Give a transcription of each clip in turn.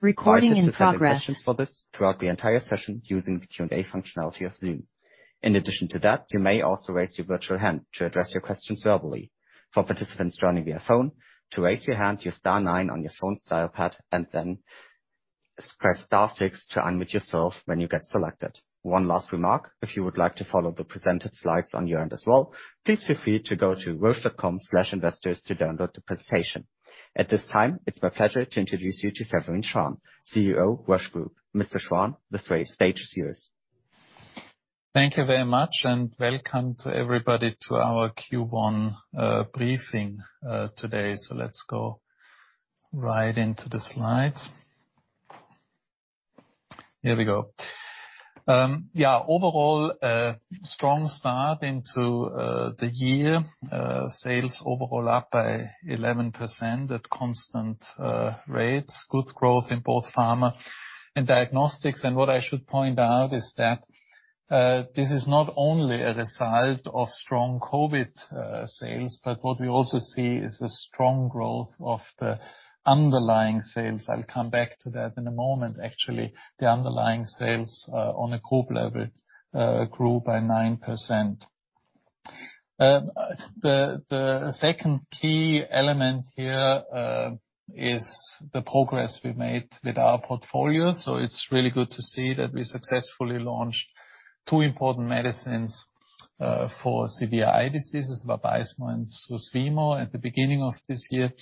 I invite you to send in questions for this throughout the entire session using the Q&A functionality of Zoom. In addition to that, you may also raise your virtual hand to address your questions verbally. For participants joining via phone, to raise your hand, use star nine on your phone's dial pad, and then press star six to unmute yourself when you get selected. One last remark, if you would like to follow the presented slides on your end as well, please feel free to go to roche.com/investors to download the presentation. At this time, it's my pleasure to introduce you to Severin Schwan, CEO, Roche Group. Mr. Schwan, the stage is yours. Thank you very much, and welcome to everybody to our Q1 briefing today. Let's go right into the slides. Here we go. Overall a strong start into the year. Sales overall up by 11% at constant rates. Good growth in both pharma and diagnostics. What I should point out is that this is not only a result of strong COVID sales, but what we also see is a strong growth of the underlying sales. I'll come back to that in a moment, actually. The underlying sales on a group level grew by 9%. The second key element here is the progress we made with our portfolio. It's really good to see that we successfully launched two important medicines for severe eye diseases, Vabysmo and Susvimo at the beginning of this year.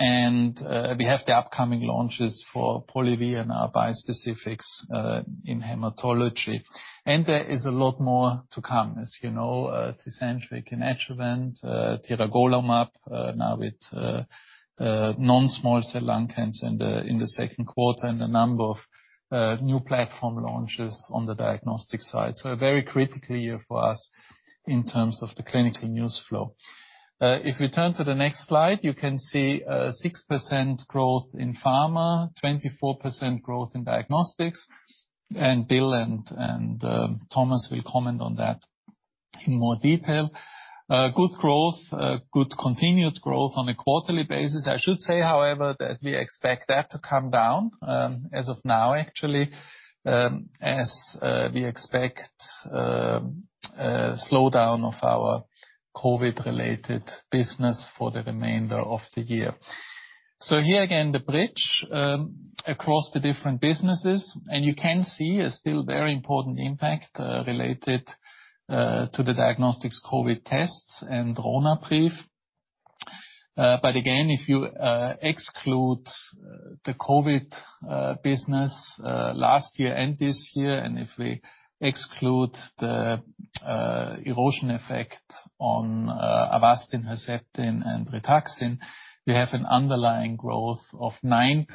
We have the upcoming launches for Polivy and our bispecifics in hematology. There is a lot more to come. As you know, Tecentriq in adjuvant, tiragolumab now with non-small cell lung cancer in the second quarter, and a number of new platform launches on the diagnostic side. A very critical year for us in terms of the clinical news flow. If we turn to the next slide, you can see 6% growth in Pharma, 24% growth in Diagnostics, and Bill and Thomas will comment on that in more detail. Good growth, good, continued growth on a quarterly basis. I should say, however, that we expect that to come down as of now, actually, we expect a slowdown of our COVID-related business for the remainder of the year. Here again, the bridge across the different businesses, and you can see a still very important impact related to the diagnostics COVID tests and Ronapreve. Again, if you exclude the COVID business last year and this year, and if we exclude the erosion effect on Avastin, Herceptin and Rituxan, we have an underlying growth of 9%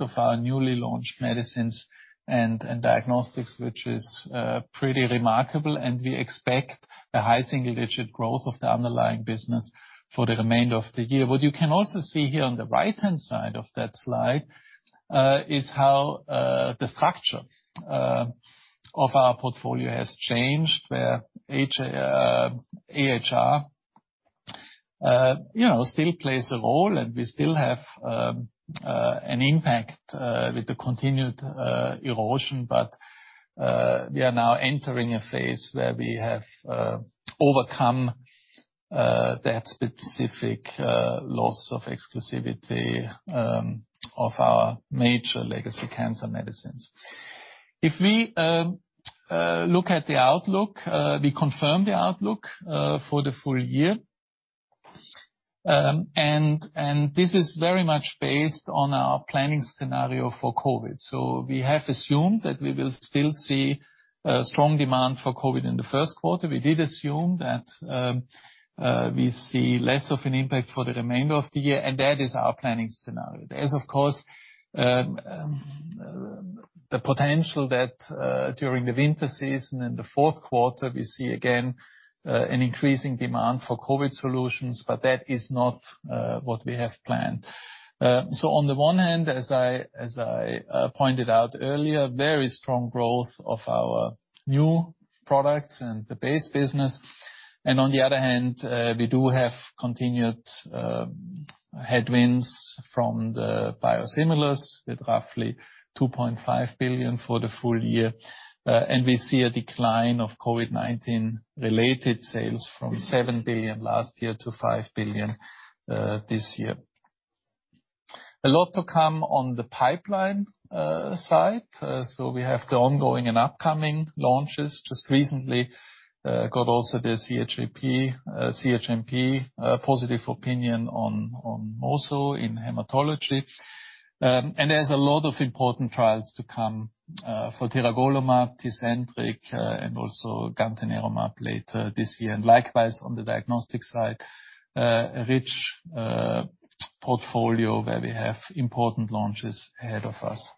of our newly launched medicines and diagnostics, which is pretty remarkable. We expect a high single-digit growth of the underlying business for the remainder of the year. What you can also see here on the right-hand side of that slide is how the structure of our portfolio has changed. Where AHR, you know, still plays a role, and we still have an impact with the continued erosion. We are now entering a phase where we have overcome that specific loss of exclusivity of our major legacy cancer medicines. If we look at the outlook, we confirm the outlook for the full year. This is very much based on our planning scenario for COVID. We have assumed that we will still see a strong demand for COVID in the first quarter. We did assume that we see less of an impact for the remainder of the year, and that is our planning scenario. There's, of course, the potential that during the winter season, in the fourth quarter, we see again an increasing demand for COVID solutions, but that is not what we have planned. On the one hand, as I pointed out earlier, very strong growth of our new products and the base business. On the other hand, we do have continued headwinds from the biosimilars with roughly 2.5 billion for the full year. We see a decline of COVID-19 related sales from 7 billion last year to 5 billion this year. A lot to come on the pipeline side. We have the ongoing and upcoming launches. Just recently got also the CHMP positive opinion on mosunetuzumab in hematology. There's a lot of important trials to come for tiragolumab, Tecentriq, and also gantenerumab later this year. Likewise, on the diagnostic side, a rich portfolio where we have important launches ahead of us.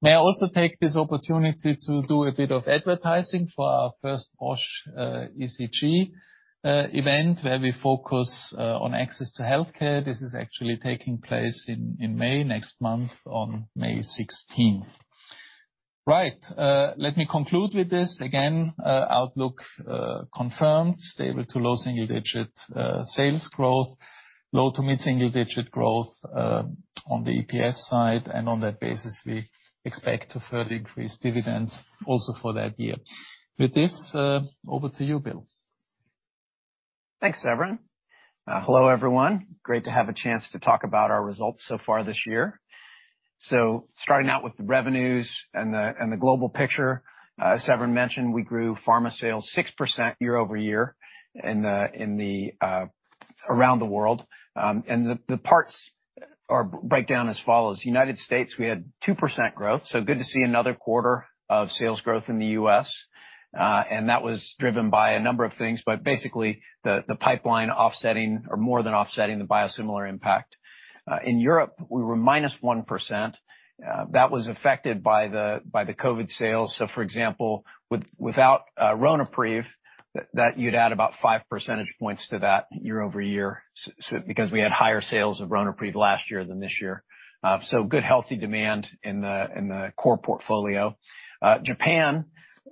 May I also take this opportunity to do a bit of advertising for our first Roche ESG event where we focus on access to healthcare. This is actually taking place in May, next month on May 16. Right. Let me conclude with this. Again, outlook confirmed, stable to low single-digit sales growth, low- to mid-single-digit growth on the EPS side. On that basis, we expect to further increase dividends also for that year. With this, over to you, Bill. Thanks, Severin. Hello, everyone. Great to have a chance to talk about our results so far this year. Starting out with the revenues and the global picture. As Severin mentioned, we grew pharma sales 6% year-over-year in the around the world. And the parts break down as follows. United States, we had 2% growth, so good to see another quarter of sales growth in the U.S. And that was driven by a number of things, but basically the pipeline offsetting or more than offsetting the biosimilar impact. In Europe, we were minus 1%. That was affected by the COVID sales. For example, without Ronapreve, that you'd add about five percentage points to that year-over-year so because we had higher sales of Ronapreve last year than this year. Good, healthy demand in the core portfolio. Japan,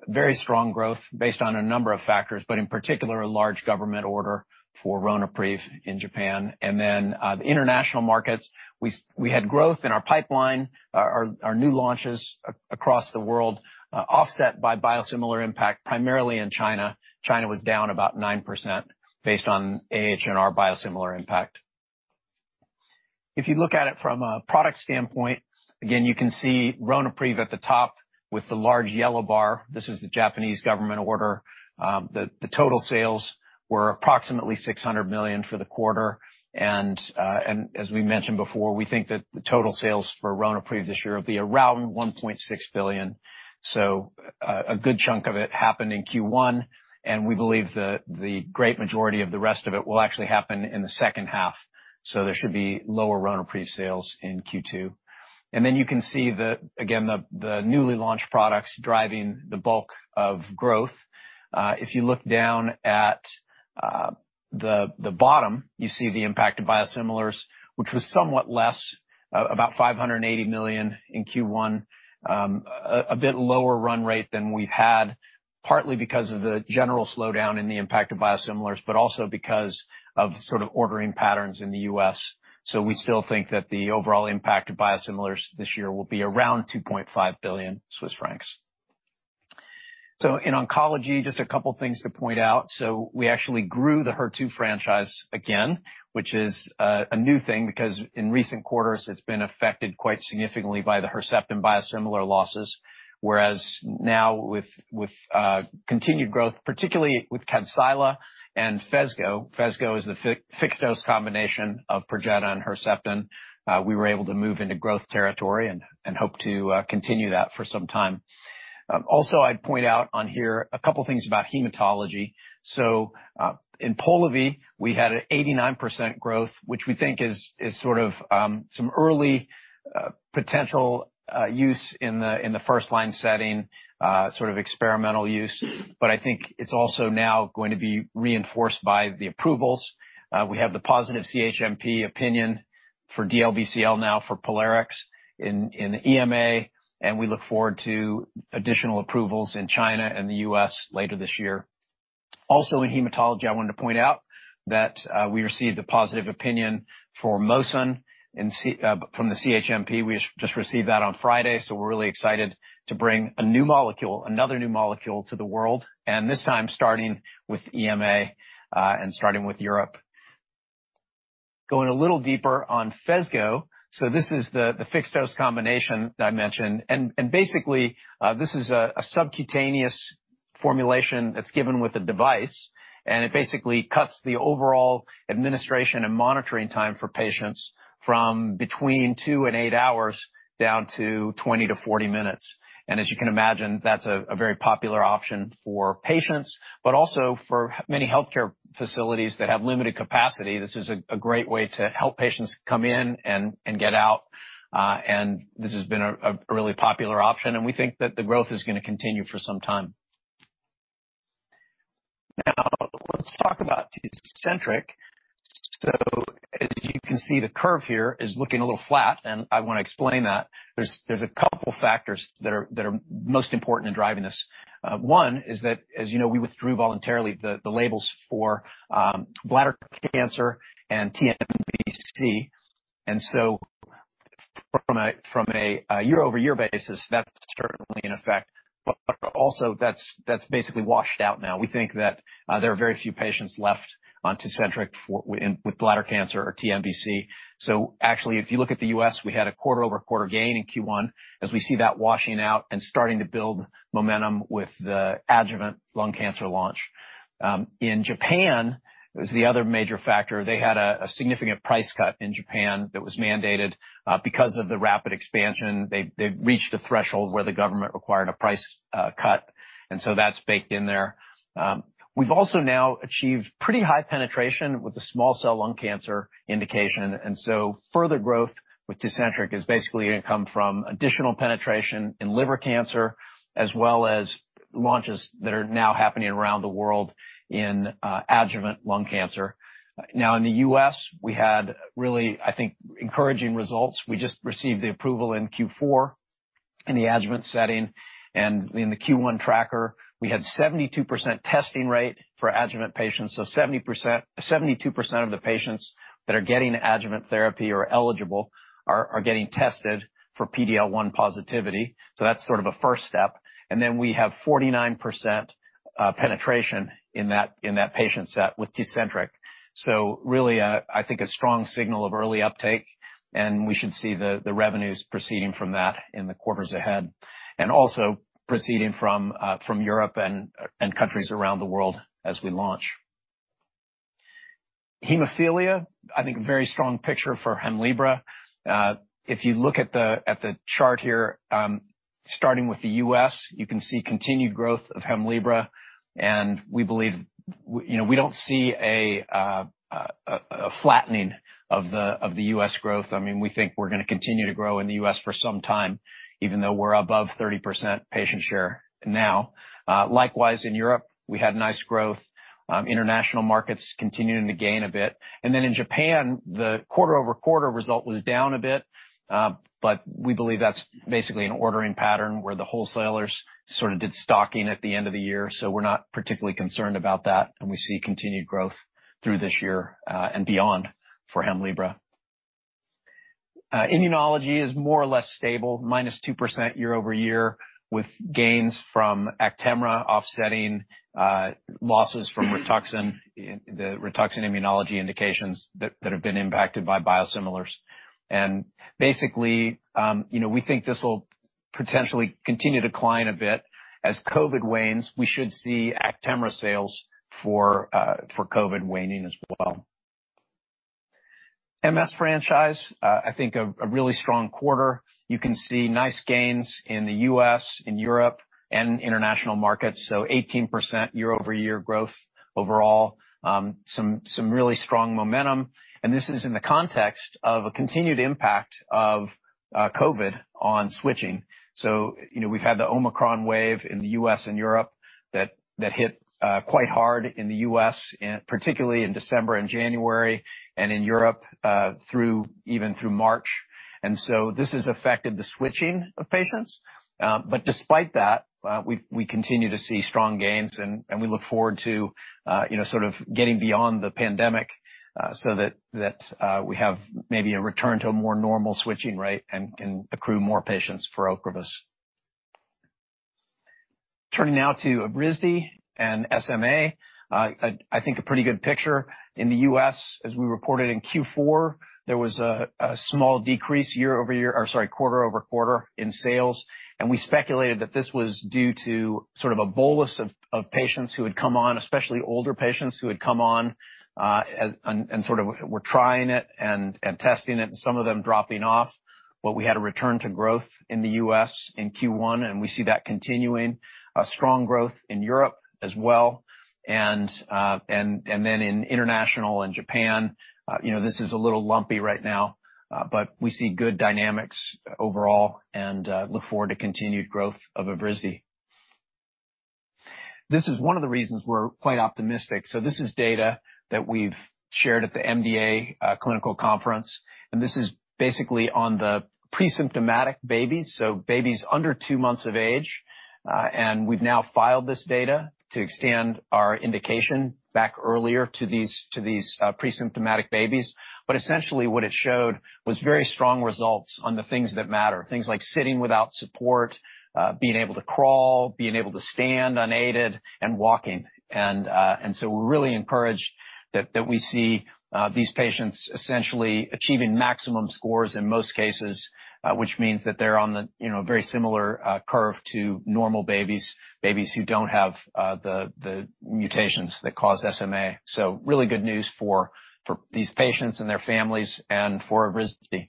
very strong growth based on a number of factors, but in particular, a large government order for Ronapreve in Japan. The international markets, we had growth in our pipeline, our new launches across the world, offset by biosimilar impact, primarily in China. China was down about 9% based on AHR biosimilar impact. If you look at it from a product standpoint, again, you can see Ronapreve at the top with the large yellow bar. This is the Japanese government order. The total sales were approximately 600 million for the quarter. As we mentioned before, we think that the total sales for Ronapreve this year will be around 1.6 billion. A good chunk of it happened in Q1, and we believe the great majority of the rest of it will actually happen in the second half. There should be lower Ronapreve sales in Q2. You can see again the newly launched products driving the bulk of growth. If you look down at the bottom, you see the impact of biosimilars, which was somewhat less, about 580 million in Q1. A bit lower run rate than we've had, partly because of the general slowdown in the impact of biosimilars, but also because of ordering patterns in the U.S. We still think that the overall impact of biosimilars this year will be around 2.5 billion Swiss francs. In oncology, just a couple of things to point out. We actually grew the HER2 franchise again, which is a new thing because in recent quarters, it's been affected quite significantly by the Herceptin biosimilar losses. Whereas now with continued growth, particularly with Kadcyla and Phesgo. Phesgo is the fixed-dose combination of Perjeta and Herceptin. We were able to move into growth territory and hope to continue that for some time. Also, I'd point out on here a couple of things about hematology. In Polivy, we had 89% growth, which we think is sort of some early potential use in the first line setting, sort of experimental use. I think it's also now going to be reinforced by the approvals. We have the positive CHMP opinion for DLBCL now for Polivy in the EMA, and we look forward to additional approvals in China and the U.S. later this year. Also in hematology, I wanted to point out that we received a positive opinion for mosunetuzumab from the CHMP. We just received that on Friday, so we're really excited to bring a new molecule, another new molecule to the world, and this time, starting with EMA and starting with Europe. Going a little deeper on Phesgo. This is the fixed-dose combination that I mentioned. Basically, this is a subcutaneous formulation that's given with a device, and it basically cuts the overall administration and monitoring time for patients from between two and eight hours down to 20-40 minutes. As you can imagine, that's a very popular option for patients, but also for many healthcare facilities that have limited capacity. This is a great way to help patients come in and get out. This has been a really popular option, and we think that the growth is gonna continue for some time. Now, let's talk about Tecentriq. As you can see, the curve here is looking a little flat, and I wanna explain that. There's a couple factors that are most important in driving this. One is that, as you know, we withdrew voluntarily the labels for bladder cancer and TNBC. From a year-over-year basis, that's certainly in effect. Also that's basically washed out now. We think that there are very few patients left on Tecentriq for bladder cancer or TNBC. Actually, if you look at the U.S., we had a quarter-over-quarter gain in Q1 as we see that washing out and starting to build momentum with the adjuvant lung cancer launch. In Japan was the other major factor. They had a significant price cut in Japan that was mandated because of the rapid expansion. They reached a threshold where the government required a price cut, and so that's baked in there. We've also now achieved pretty high penetration with the small cell lung cancer indication, and so further growth with Tecentriq is basically going to come from additional penetration in liver cancer as well as launches that are now happening around the world in adjuvant lung cancer. Now, in the U.S., we had really, I think, encouraging results. We just received the approval in Q4 in the adjuvant setting, and in the Q1 tracker, we had 72% testing rate for adjuvant patients. 72% of the patients that are getting adjuvant therapy are eligible, are getting tested for PDL1 positivity. That's sort of a first step. Then we have 49% penetration in that patient set with Tecentriq. Really, I think a strong signal of early uptake, and we should see the revenues proceeding from that in the quarters ahead and also proceeding from Europe and countries around the world as we launch. Hemophilia, I think very strong picture for Hemlibra. If you look at the chart here, starting with the U.S., you can see continued growth of Hemlibra, and we believe, you know, we don't see a flattening of the U.S. growth. I mean, we think we're gonna continue to grow in the U.S. for some time, even though we're above 30% patient share now. Likewise, in Europe, we had nice growth. International markets continuing to gain a bit. Then in Japan, the quarter-over-quarter result was down a bit, but we believe that's basically an ordering pattern where the wholesalers sort of did stocking at the end of the year, so we're not particularly concerned about that, and we see continued growth through this year and beyond for Hemlibra. Immunology is more or less stable, -2% year-over-year, with gains from Actemra offsetting losses from Rituxan, the Rituxan immunology indications that have been impacted by biosimilars. Basically, you know, we think this will potentially continue to decline a bit. As COVID wanes, we should see Actemra sales for COVID waning as well. MS franchise, I think a really strong quarter. You can see nice gains in the U.S., in Europe and international markets, so 18% year-over-year growth overall. Some really strong momentum. This is in the context of a continued impact of COVID on switching. You know, we've had the Omicron wave in the U.S. and Europe that hit quite hard in the U.S., particularly in December and January and in Europe through even March. This has affected the switching of patients. But despite that, we continue to see strong gains, and we look forward to, you know, sort of getting beyond the pandemic, so that we have maybe a return to a more normal switching rate and can accrue more patients for Ocrevus. Turning now to Evrysdi and SMA, I think a pretty good picture. In the U.S., as we reported in Q4, there was a small decrease year-over-year, or sorry, quarter-over-quarter in sales, and we speculated that this was due to sort of a bolus of patients who had come on, especially older patients who had come on, sort of were trying it and testing it, and some of them dropping off. We had a return to growth in the U.S. in Q1, and we see that continuing. A strong growth in Europe as well. Then in international and Japan, you know, this is a little lumpy right now, but we see good dynamics overall and look forward to continued growth of Evrysdi. This is one of the reasons we're quite optimistic. This is data that we've shared at the MDA clinical conference, and this is basically on the presymptomatic babies, so babies under two months of age, and we've now filed this data to extend our indication back earlier to these presymptomatic babies. Essentially, what it showed was very strong results on the things that matter, things like sitting without support, being able to crawl, being able to stand unaided and walking. We're really encouraged that we see these patients essentially achieving maximum scores in most cases, which means that they're on the, you know, very similar curve to normal babies who don't have the mutations that cause SMA. Really good news for these patients and their families and for Evrysdi.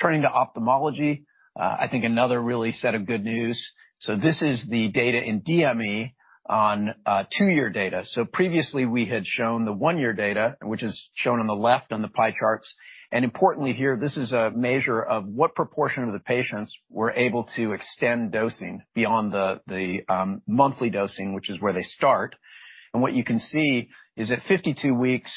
Turning to ophthalmology, I think another really set of good news. This is the data in DME on two-year data. Previously, we had shown the one-year data, which is shown on the left on the pie charts. Importantly here, this is a measure of what proportion of the patients were able to extend dosing beyond the monthly dosing, which is where they start. What you can see is at 52 weeks,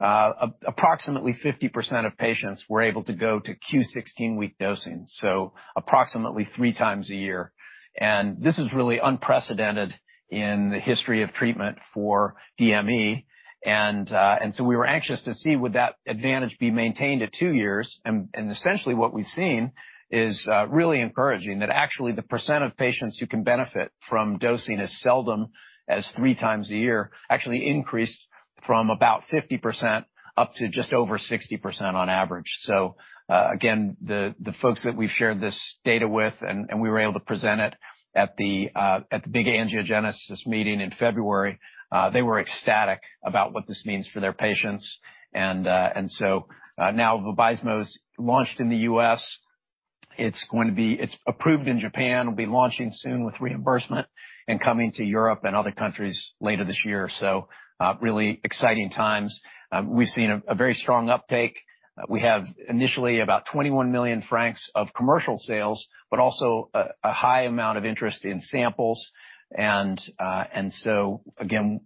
approximately 50% of patients were able to go to Q16-week dosing, so approximately three times a year. This is really unprecedented in the history of treatment for DME. We were anxious to see would that advantage be maintained at two years. Essentially what we've seen is really encouraging, that actually the percent of patients who can benefit from dosing as seldom as three times a year actually increased from about 50% up to just over 60% on average. Again, the folks that we've shared this data with, and we were able to present it at the big angiogenesis meeting in February, they were ecstatic about what this means for their patients. Now Vabysmo's launched in the U.S. It's approved in Japan, will be launching soon with reimbursement, and coming to Europe and other countries later this year. Really exciting times. We've seen a very strong uptake. We have initially about 21 million francs of commercial sales, but also a high amount of interest in samples.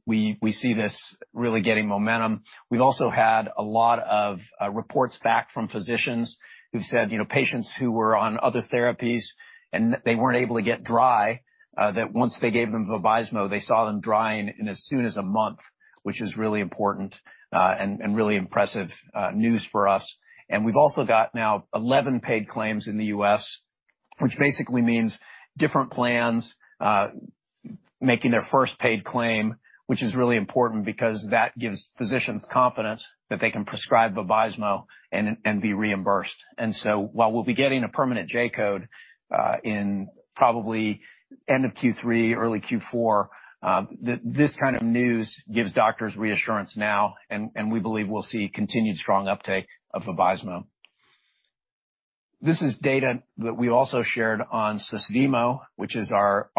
We see this really getting momentum. We've also had a lot of reports back from physicians who've said, you know, patients who were on other therapies and they weren't able to get dry, that once they gave them Vabysmo, they saw them drying in as soon as a month, which is really important, and really impressive news for us. We've also got now 11 paid claims in the U.S., which basically means different plans making their first paid claim, which is really important because that gives physicians confidence that they can prescribe Vabysmo and be reimbursed. While we'll be getting a permanent J-code in probably end of Q3, early Q4, this kind of news gives doctors reassurance now, and we believe we'll see continued strong uptake of Vabysmo. This is data that we also shared on Susvimo, which is our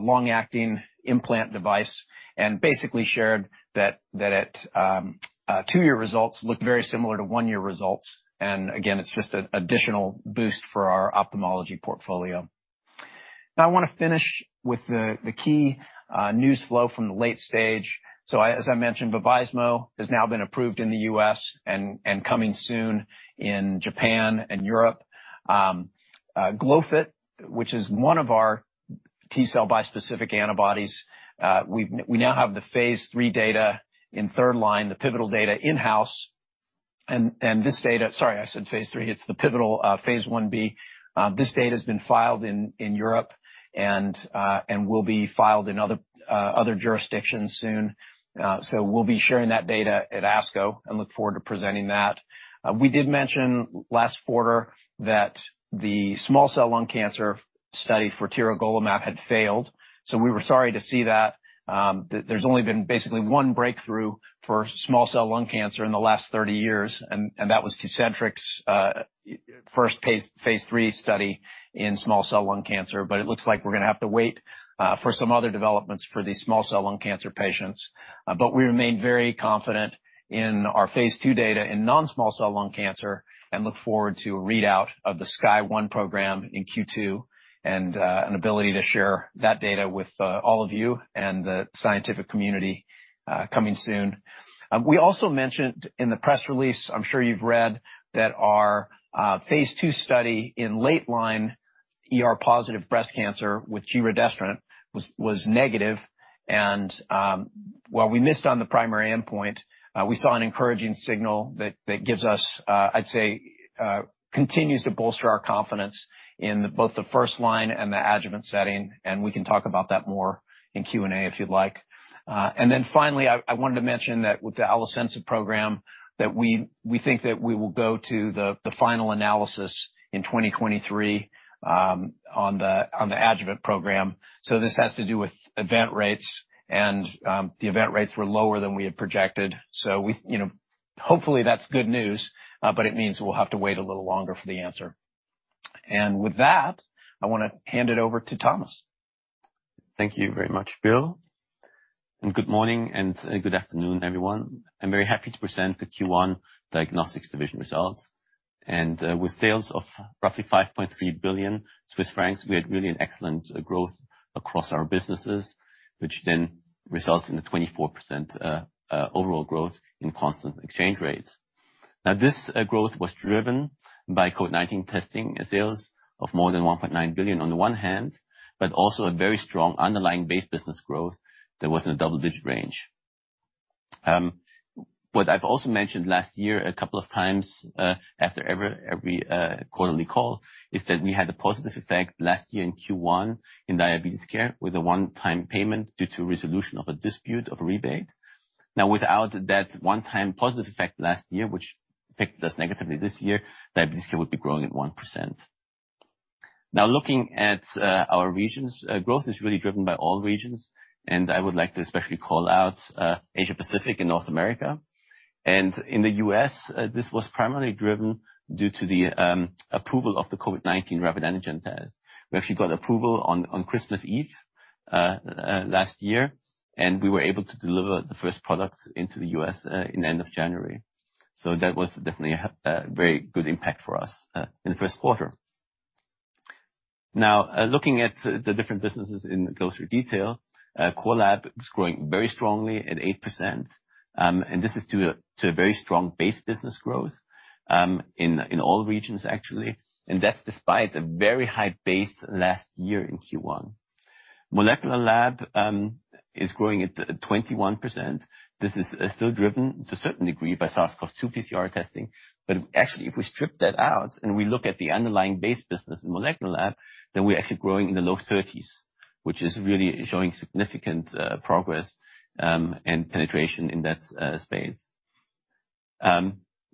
long-acting implant device, and basically shared that at two-year results look very similar to one-year results. Again, it's just an additional boost for our ophthalmology portfolio. Now, I wanna finish with the key news flow from the late stage. As I mentioned, Vabysmo has now been approved in the U.S. and coming soon in Japan and Europe. Glofitamab, which is one of our T-cell bispecific antibodies, we now have the phase III data in third line, the pivotal data in-house. This data's been filed in Europe and will be filed in other jurisdictions soon. We'll be sharing that data at ASCO and look forward to presenting that. We did mention last quarter that the small cell lung cancer study for tiragolumab had failed, so we were sorry to see that. There's only been basically one breakthrough for small cell lung cancer in the last 30 years, and that was Tecentriq's first phase III study in small cell lung cancer. It looks like we're gonna have to wait for some other developments for the small cell lung cancer patients. We remain very confident in our phase II data in non-small cell lung cancer and look forward to a readout of the SKYSCRAPER-01 program in Q2 and an ability to share that data with all of you and the scientific community coming soon. We also mentioned in the press release, I'm sure you've read, that our phase II study in late-line ER-positive breast cancer with giredestrant was negative. While we missed on the primary endpoint, we saw an encouraging signal that gives us, I'd say, continues to bolster our confidence in both the first line and the adjuvant setting, and we can talk about that more in Q&A if you'd like. Finally, I wanted to mention that with the Alecensa program that we think that we will go to the final analysis in 2023, on the adjuvant program. This has to do with event rates, and the event rates were lower than we had projected. We, you know, hopefully that's good news, but it means we'll have to wait a little longer for the answer. With that, I wanna hand it over to Thomas. Thank you very much, Bill, and good morning and good afternoon, everyone. I'm very happy to present the Q1 Diagnostics Division results. With sales of roughly 5.3 billion Swiss francs, we had really an excellent growth across our businesses, which then results in a 24% overall growth in constant exchange rates. Now, this growth was driven by COVID-19 testing sales of more than 1.9 billion on the one hand, but also a very strong underlying base business growth that was in a double-digit range. What I've also mentioned last year a couple of times after every quarterly call is that we had a positive effect last year in Q1 in diabetes care with a one-time payment due to resolution of a dispute of a rebate. Now, without that one-time positive effect last year, which affected us negatively this year, diabetes care would be growing at 1%. Now looking at our regions, growth is really driven by all regions, and I would like to especially call out Asia-Pacific and North America. In the U.S., this was primarily driven due to the approval of the COVID-19 rapid antigen test. We actually got approval on Christmas Eve last year, and we were able to deliver the first product into the U.S. in the end of January. So that was definitely a very good impact for us in the first quarter. Now, looking at the different businesses in closer detail, Core Lab is growing very strongly at 8%, and this is due to a very strong base business growth in all regions actually. That's despite a very high base last year in Q1. Molecular Lab is growing at 21%. This is still driven to a certain degree by SARS-CoV-2 PCR testing. Actually, if we strip that out and we look at the underlying base business in Molecular Lab, then we're actually growing in the low 30s%, which is really showing significant progress and penetration in that space.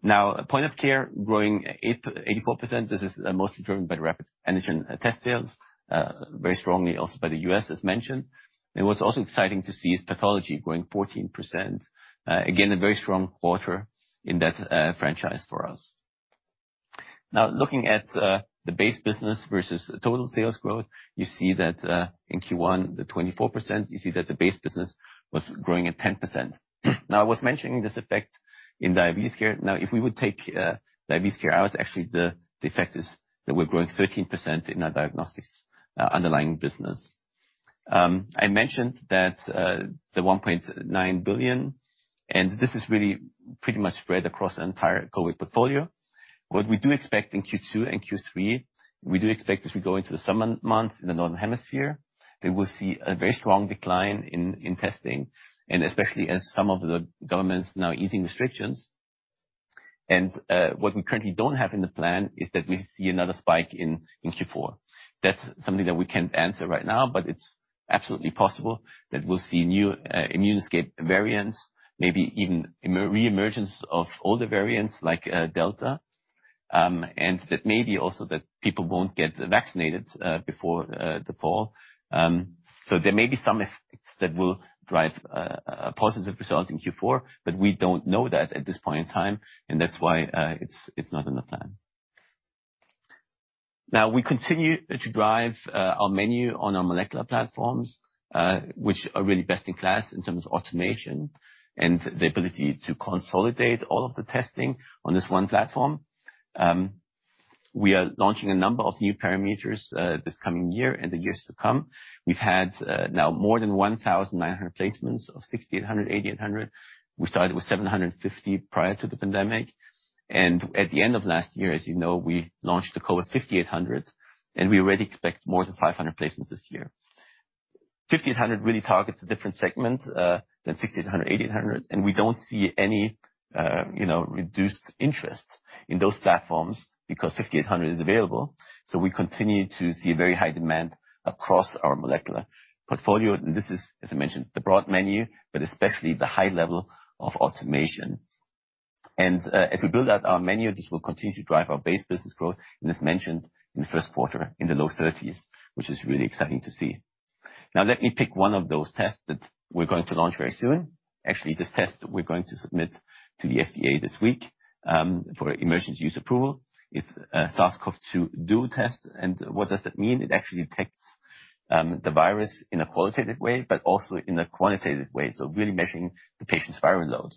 Now Point of Care growing 84%. This is mostly driven by the rapid antigen test sales, very strongly also by the U.S., as mentioned. What's also exciting to see is Pathology growing 14%. Again, a very strong quarter in that franchise for us. Now, looking at the base business versus total sales growth, you see that in Q1, the 24%, you see that the base business was growing at 10%. Now, I was mentioning this effect in diabetes care. Now, if we would take diabetes care out, actually the effect is that we're growing 13% in our diagnostics underlying business. I mentioned that the 1.9 billion, and this is really pretty much spread across the entire COVID portfolio. What we do expect in Q2 and Q3, we do expect as we go into the summer months in the Northern Hemisphere, that we'll see a very strong decline in testing, and especially as some of the governments now easing restrictions. What we currently don't have in the plan is that we see another spike in Q4. That's something that we can't answer right now, but it's absolutely possible that we'll see new immune escape variants, maybe even reemergence of older variants like Delta. That maybe also that people won't get vaccinated before the fall. There may be some effects that will drive a positive result in Q4, but we don't know that at this point in time, and that's why it's not in the plan. Now, we continue to drive our menu on our molecular platforms, which are really best in class in terms of automation and the ability to consolidate all of the testing on this one platform. We are launching a number of new parameters this coming year and the years to come. We've had now more than 1,900 placements of cobas 6800, cobas 8800. We started with 750 prior to the pandemic. At the end of last year, as you know, we launched the cobas 5800, and we already expect more than 500 placements this year. The cobas 5800 really targets a different segment than the cobas 6800, cobas 8800, and we don't see any reduced interest in those platforms because the cobas 5800 is available. We continue to see very high demand across our molecular portfolio. This is, as I mentioned, the broad menu, but especially the high level of automation. As we build out our menu, this will continue to drive our base business growth, and as mentioned in the first quarter in the low 30s%, which is really exciting to see. Now let me pick one of those tests that we're going to launch very soon. Actually, this test we're going to submit to the FDA this week for emergency use approval. It's a SARS-CoV-2 DUO test. What does that mean? It actually detects the virus in a qualitative way, but also in a quantitative way, so really measuring the patient's viral load.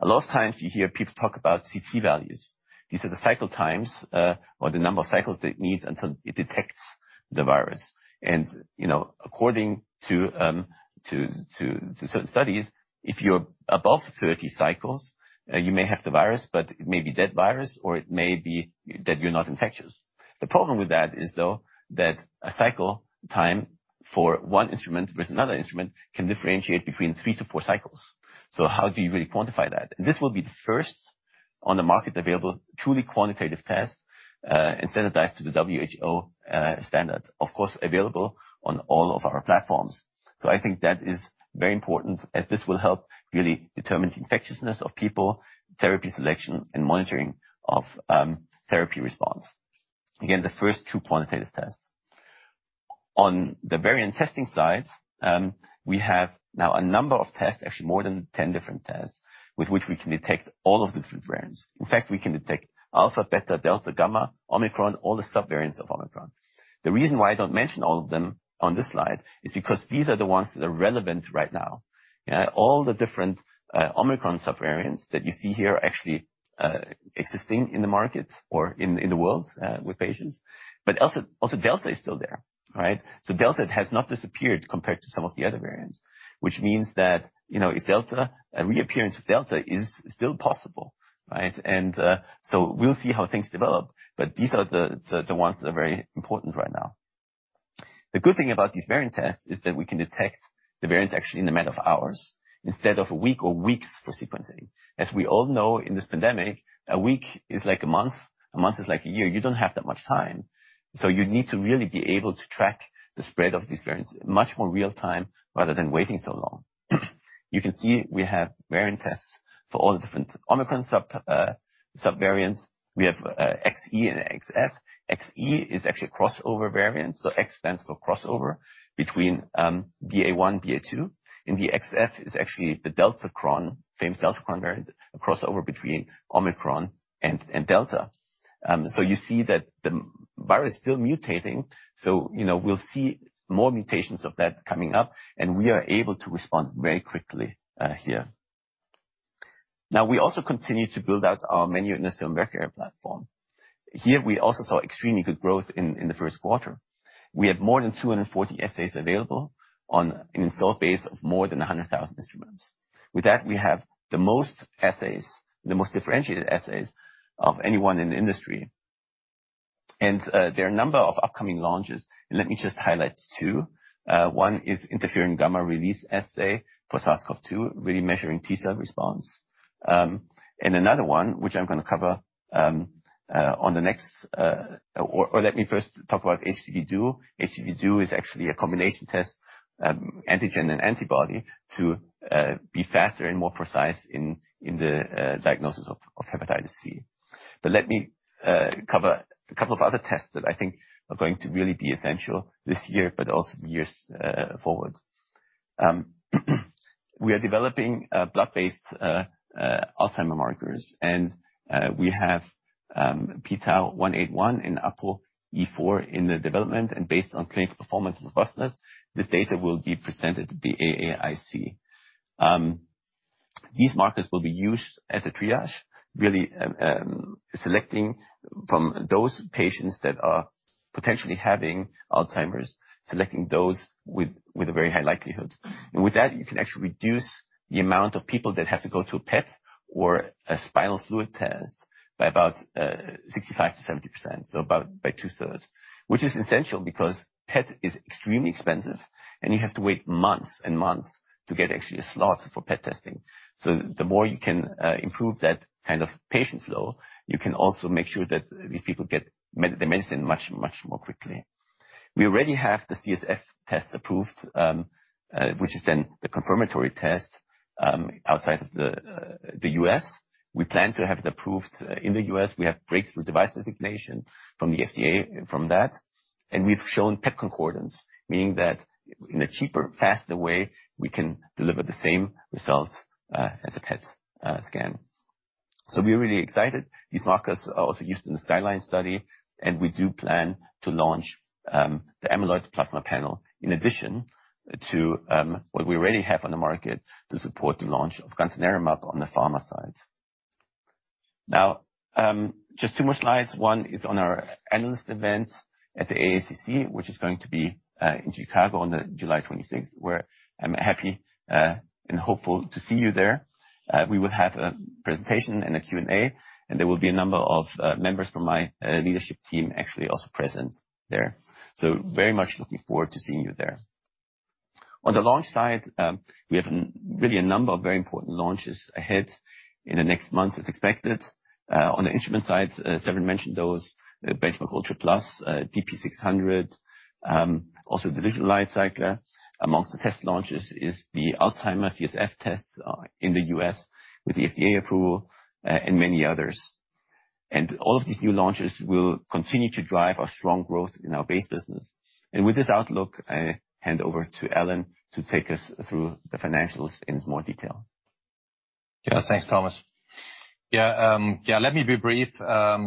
A lot of times you hear people talk about CT values. These are the cycle times or the number of cycles that it needs until it detects the virus. You know, according to certain studies, if you're above 30 cycles, you may have the virus, but it may be dead virus, or it may be that you're not infectious. The problem with that is, though, that a cycle time for one instrument versus another instrument can differentiate between three to four cycles. How do you really quantify that? This will be the first on the market available, truly quantitative test, and standardized to the WHO standard, of course, available on all of our platforms. I think that is very important as this will help really determine the infectiousness of people, therapy selection, and monitoring of therapy response. Again, the first two quantitative tests. On the variant testing side, we have now a number of tests, actually more than 10 different tests, with which we can detect all of the different variants. In fact, we can detect Alpha, Beta, Delta, Gamma, Omicron, all the subvariants of Omicron. The reason why I don't mention all of them on this slide is because these are the ones that are relevant right now. All the different Omicron subvariants that you see here are actually existing in the market or in the world with patients. Also Delta is still there. Right? Delta has not disappeared compared to some of the other variants, which means that, you know, a reappearance of Delta is still possible. Right? We'll see how things develop, but these are the ones that are very important right now. The good thing about these variant tests is that we can detect the variants actually in a matter of hours instead of a week or weeks for sequencing. As we all know, in this pandemic, a week is like a month, a month is like a year. You don't have that much time. You need to really be able to track the spread of these variants much more real-time rather than waiting so long. You can see we have variant tests for all the different Omicron subvariants. We have XE and XF. XE is actually a crossover variant, so X stands for crossover between BA.1, BA.2. The XF is actually the Deltacron, famous Deltacron variant, a crossover between Omicron and Delta. You see that the virus is still mutating. You know, we'll see more mutations of that coming up, and we are able to respond very quickly here. Now, we also continue to build out our menu in the Serum Work Area platform. Here, we also saw extremely good growth in the first quarter. We have more than 240 assays available on an installed base of more than 100,000 instruments. With that, we have the most assays, the most differentiated assays of anyone in the industry. There are a number of upcoming launches. Let me just highlight two. One is interferon gamma release assay for SARS-CoV-2, really measuring T-cell response. And another one, which I'm gonna cover. Let me first talk about HCV Duo. HCV Duo is actually a combination test, antigen and antibody to be faster and more precise in the diagnosis of hepatitis C. Let me cover a couple of other tests that I think are going to really be essential this year, but also years forward. We are developing blood-based Alzheimer's markers, and we have pTau 181 and ApoE4 in development. Based on clinical performance robustness, this data will be presented at the AAIC. These markers will be used as a triage, really, selecting from those patients that are potentially having Alzheimer's, selecting those with a very high likelihood. With that, you can actually reduce the amount of people that have to go to a PET or a spinal fluid test by about 65%-70%, so about by two-thirds, which is essential because PET is extremely expensive, and you have to wait months and months to get actually a slot for PET testing. The more you can improve that kind of patient flow, you can also make sure that these people get the medicine much more quickly. We already have the CSF test approved, which is then the confirmatory test, outside of the U.S. We plan to have it approved in the U.S. We have Breakthrough Device Designation from the FDA for that. We've shown PET concordance, meaning that in a cheaper, faster way, we can deliver the same results as a PET scan. We're really excited. These markers are also used in the SKYLINE study, and we do plan to launch the amyloid plasma panel in addition to what we already have on the market to support the launch of gantenerumab on the pharma side. Now, just two more slides. One is on our Analyst Event at the AACC, which is going to be in Chicago on July 26th, where I'm happy and hopeful to see you there. We will have a presentation and a Q&A, and there will be a number of members from my leadership team actually also present there. Very much looking forward to seeing you there. On the launch side, we have really a number of very important launches ahead in the next months, as expected. On the instrument side, as Severin mentioned, those BenchMark ULTRA PLUS, DP600, also Digital LightCycler. Amongst the test launches is the Alzheimer's CSF tests in the U.S. with the FDA approval, and many others. All of these new launches will continue to drive our strong growth in our base business. With this outlook, I hand over to Alan to take us through the financials in more detail. Yes, thanks, Thomas. Yeah, let me be brief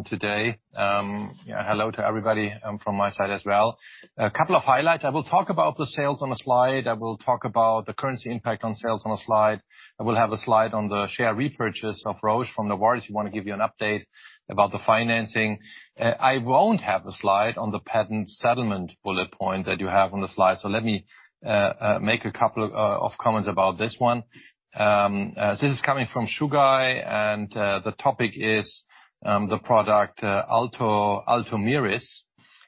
today. Hello to everybody from my side as well. A couple of highlights. I will talk about the sales on the slide. I will talk about the currency impact on sales on the slide. I will have a slide on the share repurchase of Roche from Novartis. We want to give you an update about the financing. I won't have the slide on the patent settlement bullet point that you have on the slide. Let me make a couple of comments about this one. This is coming from Chugai, and the topic is the product Ultomiris.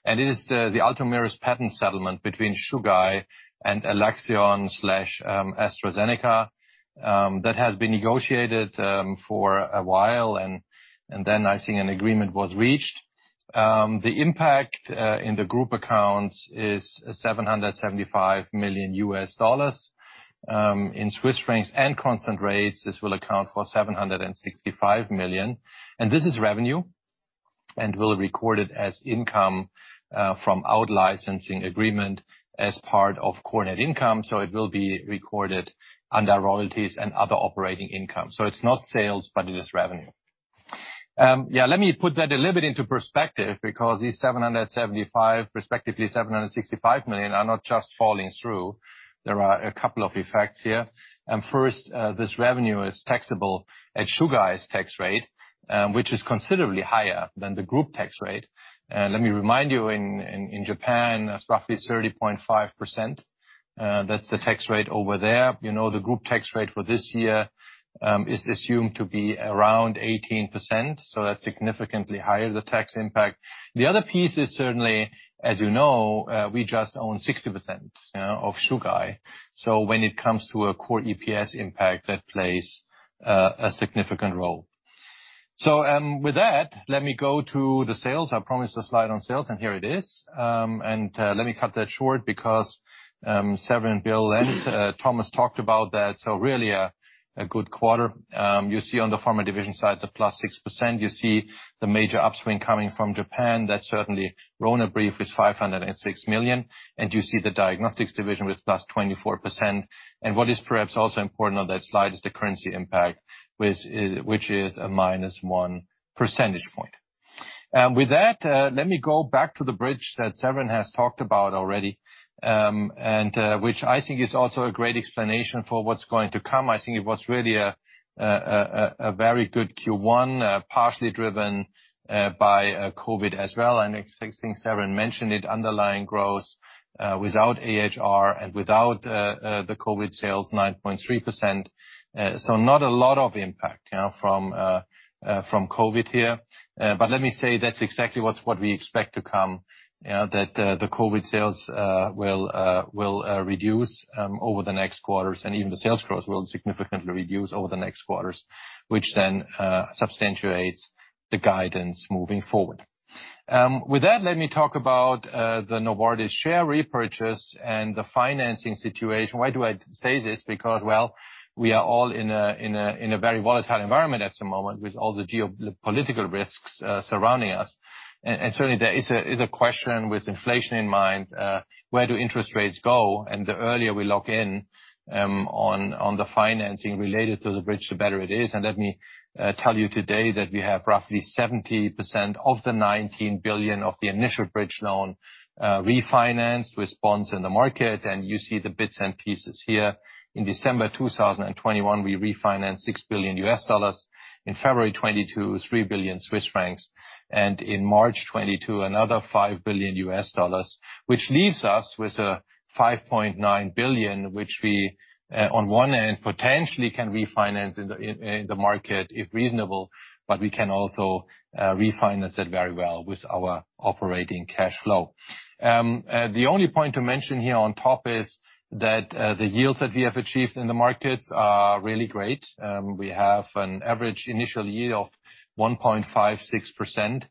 It is the Ultomiris patent settlement between Chugai and Alexion/AstraZeneca, that has been negotiated for a while and then I think an agreement was reached. The impact in the group accounts is $775 million. In Swiss francs and constant rates this will account for 765 million. This is revenue, and we'll record it as income from out-licensing agreement as part of core net income. It will be recorded under royalties and other operating income. It's not sales, but it is revenue. Let me put that a little bit into perspective because these $775 million, respectively 765 million are not just falling through. There are a couple of effects here. First, this revenue is taxable at Chugai's tax rate, which is considerably higher than the group tax rate. Let me remind you in Japan, it's roughly 30.5%. That's the tax rate over there. You know, the group tax rate for this year is assumed to be around 18%, so that's significantly higher, the tax impact. The other piece is certainly, as you know, we just own 60%, you know, of Chugai. When it comes to a core EPS impact, that plays a significant role. With that, let me go to the sales. I promised a slide on sales, and here it is. Let me cut that short because Severin, Bill, and Thomas talked about that. Really a good quarter. You see on the Pharma division side, the +6%. You see the major upswing coming from Japan. That's certainly Ronapreve with 506 million. You see the Diagnostics division with +24%. What is perhaps also important on that slide is the currency impact, which is a -1 percentage point. With that, let me go back to the bridge that Severin has talked about already, and which I think is also a great explanation for what's going to come. I think it was really a very good Q1, partially driven by COVID as well. I think Severin mentioned it, underlying growth without AHR and without the COVID sales, 9.3%. Not a lot of impact, you know, from COVID here. Let me say that's exactly what we expect to come, you know, that the COVID sales will reduce over the next quarters, and even the sales growth will significantly reduce over the next quarters, which then substantiates the guidance moving forward. With that, let me talk about the Novartis share repurchase and the financing situation. Why do I say this? Because, well, we are all in a very volatile environment at the moment with all the geopolitical risks surrounding us. Certainly there is a question with inflation in mind, where do interest rates go? The earlier we lock in on the financing related to the bridge, the better it is. Let me tell you today that we have roughly 70% of the 19 billion of the initial bridge loan refinanced with bonds in the market, and you see the bits and pieces here. In December 2021, we refinanced $6 billion. In February 2022, 3 billion Swiss francs. In March 2022, another $5 billion, which leaves us with a 5.9 billion, which we on one end potentially can refinance in the market if reasonable, but we can also refinance it very well with our operating cash flow. The only point to mention here on top is that the yields that we have achieved in the markets are really great. We have an average initial yield of 1.56%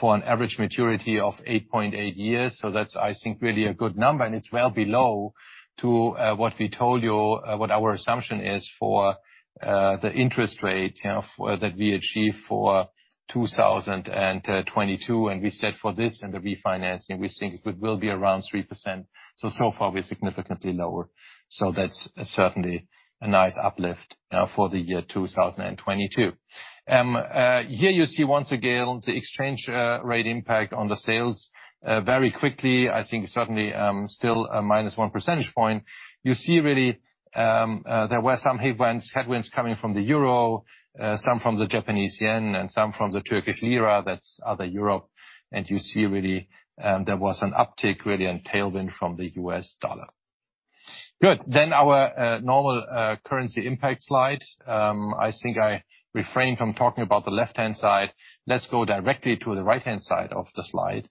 for an average maturity of 8.8 years. That's, I think, really a good number, and it's well below to what we told you what our assumption is for the interest rate, you know, that we achieve for 2022. We said for this and the refinancing, we think it will be around 3%. So far we're significantly lower. That's certainly a nice uplift for the year 2022. Here you see once again the exchange rate impact on the sales very quickly. I think certainly still a -1 percentage point. You see really there were some headwinds coming from the euro, some from the Japanese yen, and some from the Turkish lira, that's other Europe. You see really there was an uptick really in tailwind from the US dollar. Good. Our normal currency impact slide. I think I refrained from talking about the left-hand side. Let's go directly to the right-hand side of the slide.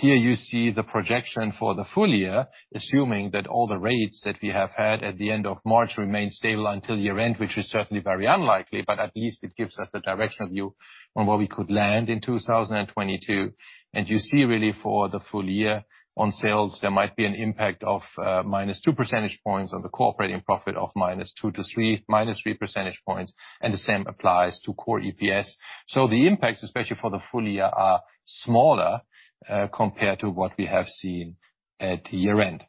Here you see the projection for the full year, assuming that all the rates that we have had at the end of March remain stable until year-end, which is certainly very unlikely, but at least it gives us a directional view on where we could land in 2022. You see really for the full year on sales, there might be an impact of -2 percentage points on the operating profit of -2 to -3 percentage points, and the same applies to core EPS. The impacts, especially for the full year, are smaller compared to what we have seen at year-end.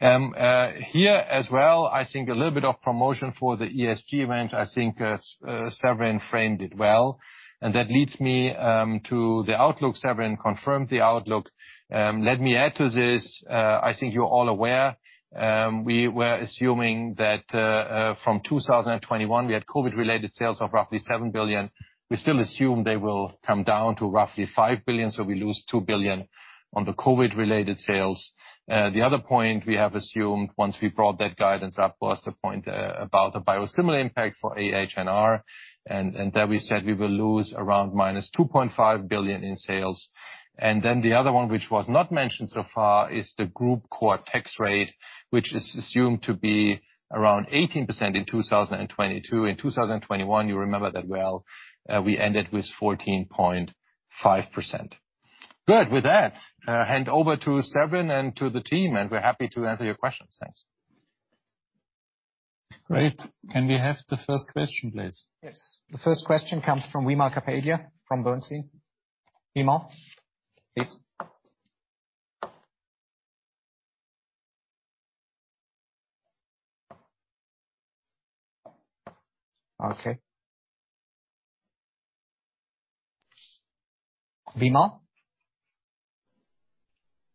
Here as well, I think a little bit of promotion for the ESG event. I think Severin framed it well, and that leads me to the outlook. Severin confirmed the outlook. Let me add to this. I think you're all aware, we were assuming that from 2021, we had COVID-related sales of roughly 7 billion. We still assume they will come down to roughly 5 billion, so we lose 2 billion on the COVID-related sales. The other point we have assumed once we brought that guidance up was the point about the biosimilar impact for AHR, and there we said we will lose around minus 2.5 billion in sales. The other one, which was not mentioned so far, is the group core tax rate, which is assumed to be around 18% in 2022. In 2021, you remember that well, we ended with 14.5%. Good. With that, I hand over to Severin and to the team, and we're happy to answer your questions. Thanks. Great. Can we have the first question, please? Yes. The first question comes from Wimal Kapadia from Bernstein. Wimal, please. Okay. Wimal?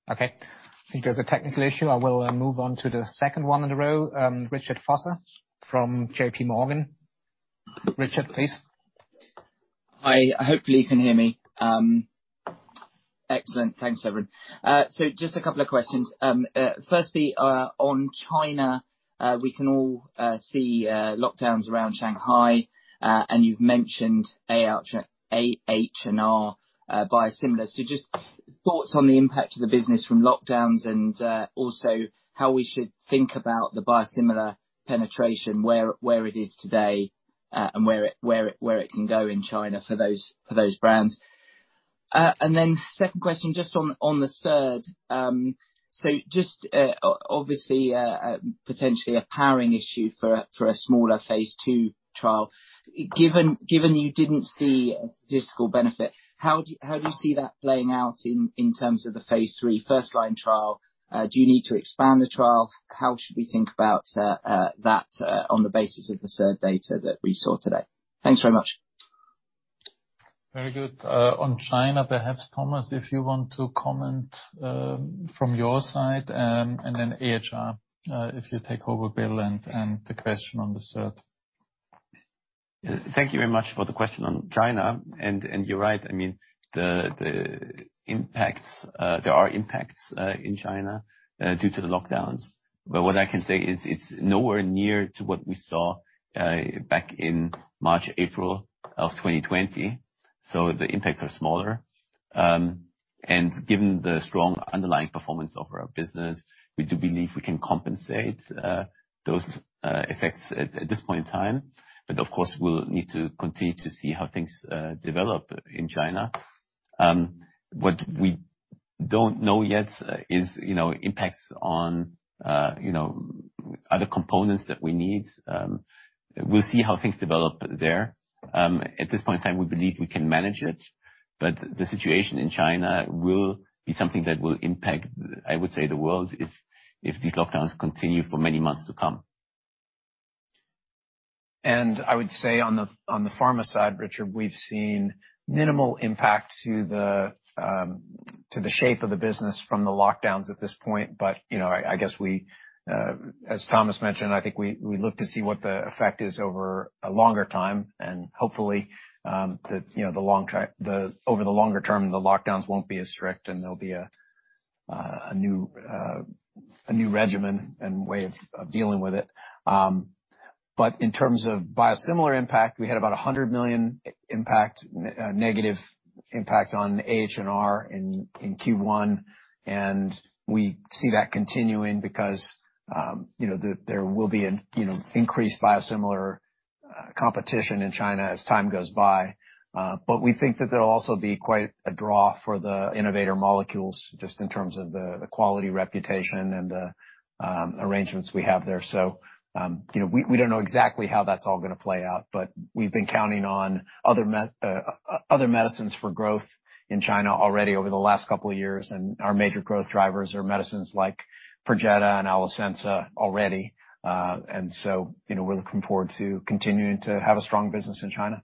Okay. I think there's a technical issue. I will move on to the second one in a row. Richard Vosser from JPMorgan. Richard, please. Hi. Hopefully you can hear me. Excellent. Thanks, Severin. Just a couple of questions. First, on China, we can all see lockdowns around Shanghai, and you've mentioned AHR biosimilar. Just thoughts on the impact to the business from lockdowns and also how we should think about the biosimilar penetration, where it is today, and where it can go in China for those brands. And then second question, just on the third, obviously potentially a powering issue for a smaller phase II trial. Given you didn't see a statistical benefit, how do you see that playing out in terms of the phase III first-line trial? Do you need to expand the trial? How should we think about that on the basis of the third data that we saw today? Thanks very much. Very good. On China, perhaps, Thomas, if you want to comment from your side, and then AHR, if you take over, Bill, and the question on the third. Thank you very much for the question on China. You're right. I mean, the impacts there are impacts in China due to the lockdowns. What I can say is it's nowhere near to what we saw back in March, April of 2020. The impacts are smaller. Given the strong underlying performance of our business, we do believe we can compensate those effects at this point in time. Of course, we'll need to continue to see how things develop in China. What we don't know yet is, you know, impacts on, you know, other components that we need. We'll see how things develop there. At this point in time, we believe we can manage it, but the situation in China will be something that will impact, I would say, the world if these lockdowns continue for many months to come. I would say on the pharma side, Richard, we've seen minimal impact to the shape of the business from the lockdowns at this point. You know, I guess we, as Thomas mentioned, I think we look to see what the effect is over a longer time. Hopefully, you know, over the longer term, the lockdowns won't be as strict and there'll be a new regimen and way of dealing with it. But in terms of biosimilar impact, we had about 100 million negative impact on AHR in Q1. We see that continuing because, you know, there will be increased biosimilar competition in China as time goes by. We think that there'll also be quite a draw for the innovator molecules just in terms of the quality, reputation, and the arrangements we have there. You know, we don't know exactly how that's all gonna play out, but we've been counting on other medicines for growth in China already over the last couple of years, and our major growth drivers are medicines like Perjeta and Alecensa already. You know, we're looking forward to continuing to have a strong business in China.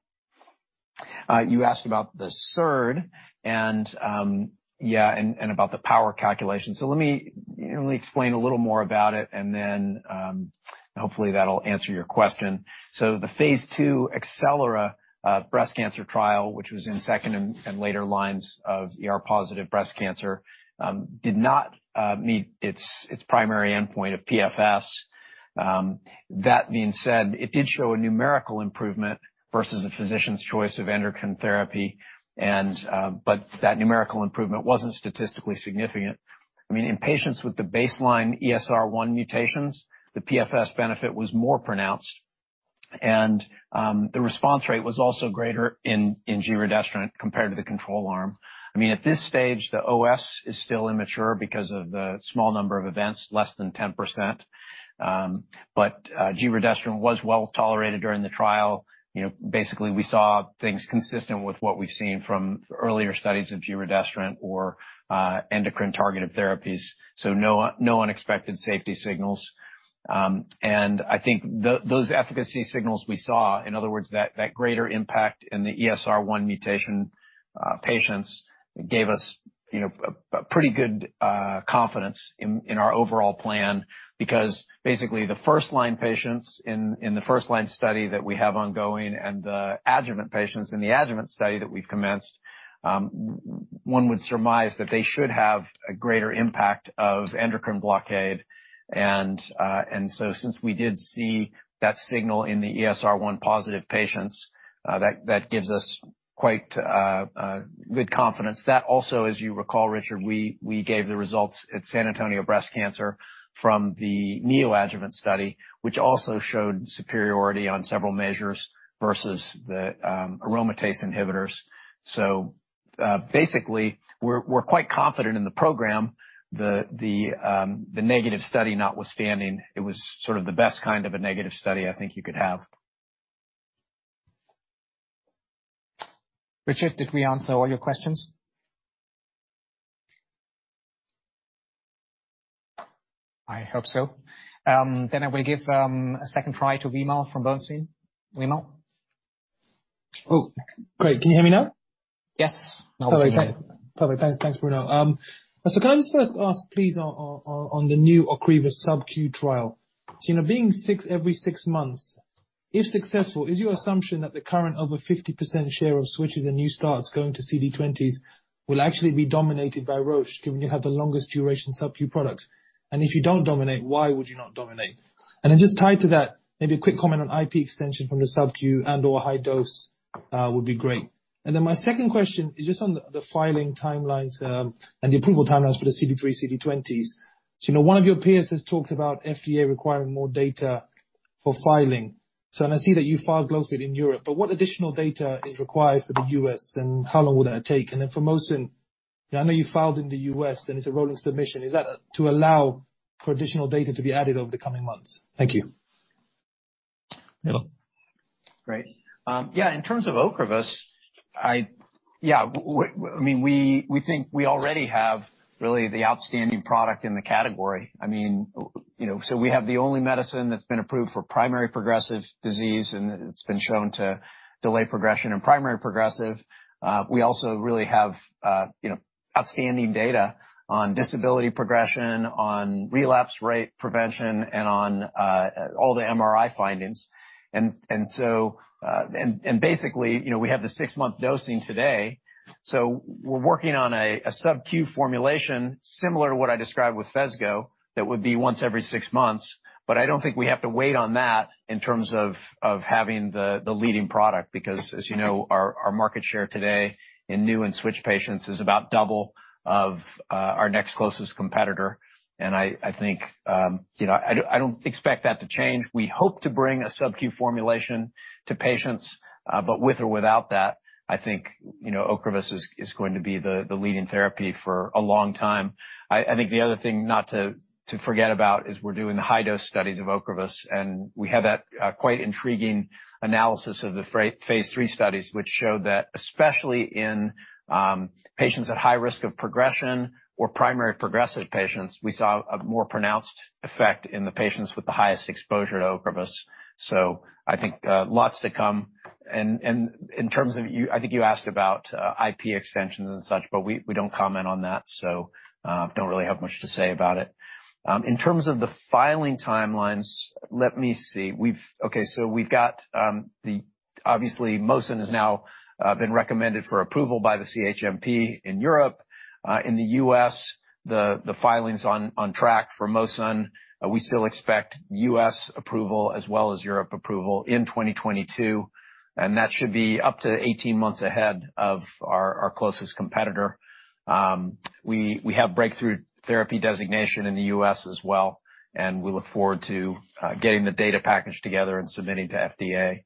You asked about the SERD and, yeah, and about the power calculation. Let me explain a little more about it and then, hopefully that'll answer your question. The phase II acelERA breast cancer trial, which was in second and later lines of ER-positive breast cancer, did not meet its primary endpoint of PFS. That being said, it did show a numerical improvement versus a physician's choice of endocrine therapy. But that numerical improvement wasn't statistically significant. I mean, in patients with the baseline ESR1 mutations, the PFS benefit was more pronounced. The response rate was also greater in giredestrant compared to the control arm. I mean, at this stage, the OS is still immature because of the small number of events, less than 10%. But giredestrant was well tolerated during the trial. You know, basically, we saw things consistent with what we've seen from earlier studies of giredestrant or endocrine targeted therapies, so no unexpected safety signals. I think those efficacy signals we saw, in other words, that greater impact in the ESR1 mutation patients gave us, you know, a pretty good confidence in our overall plan. Because basically the first line patients in the first line study that we have ongoing and the adjuvant patients in the adjuvant study that we've commenced, one would surmise that they should have a greater impact of endocrine blockade. Since we did see that signal in the ESR1 positive patients, that gives us quite good confidence. That also, as you recall, Richard, we gave the results at San Antonio Breast Cancer from the neoadjuvant study, which also showed superiority on several measures versus the aromatase inhibitors. Basically, we're quite confident in the program. The negative study notwithstanding, it was sort of the best kind of a negative study I think you could have. Richard, did we answer all your questions? I hope so. I will give a second try to Wimal from Bernstein. Wimal? Oh, great. Can you hear me now? Yes. Now we can hear you. Perfect. Thanks, Bruno. Can I just first ask, please, on the new Ocrevus subQ trial? Do you know, being six every six months, if successful, is your assumption that the current over 50% share of switches and new starts going to CD20s will actually be dominated by Roche, given you have the longest duration subQ products? And if you don't dominate, why would you not dominate? And then just tied to that, maybe a quick comment on IP extension from the subQ and/or high dose would be great. And then my second question is just on the filing timelines and the approval timelines for the CD3, CD20s. You know, one of your peers has talked about FDA requiring more data for filing. I see that you filed glofitamab in Europe, but what additional data is required for the U.S., and how long will that take? For mosunetuzumab, I know you filed in the U.S., and it's a rolling submission. Is that to allow for additional data to be added over the coming months? Thank you. Bill. Great. In terms of Ocrevus, I mean, we think we already have really the outstanding product in the category. I mean, you know, we have the only medicine that's been approved for primary progressive disease, and it's been shown to delay progression in primary progressive. We also really have, you know, outstanding data on disability progression, on relapse rate prevention and on all the MRI findings. Basically, you know, we have the six-month dosing today. We're working on a subq formulation similar to what I described with Phesgo that would be once every six months, but I don't think we have to wait on that in terms of having the leading product, because as you know, our market share today in new and switch patients is about double of our next closest competitor. I think, you know, I don't expect that to change. We hope to bring a subq formulation to patients, but with or without that, I think, you know, Ocrevus is going to be the leading therapy for a long time. I think the other thing not to forget about is we're doing the high-dose studies of Ocrevus, and we had that quite intriguing analysis of the phase III studies which showed that especially in patients at high risk of progression or primary progressive patients, we saw a more pronounced effect in the patients with the highest exposure to Ocrevus. I think lots to come. In terms of you, I think you asked about IP extensions and such, but we don't comment on that, so don't really have much to say about it. In terms of the filing timelines, let me see. Obviously, mosunetuzumab has now been recommended for approval by the CHMP in Europe. In the U.S., the filing's on track for mosunetuzumab. We still expect U.S. approval as well as Europe approval in 2022, and that should be up to 18 months ahead of our closest competitor. We have Breakthrough Therapy Designation in the U.S. as well, and we look forward to getting the data package together and submitting to FDA.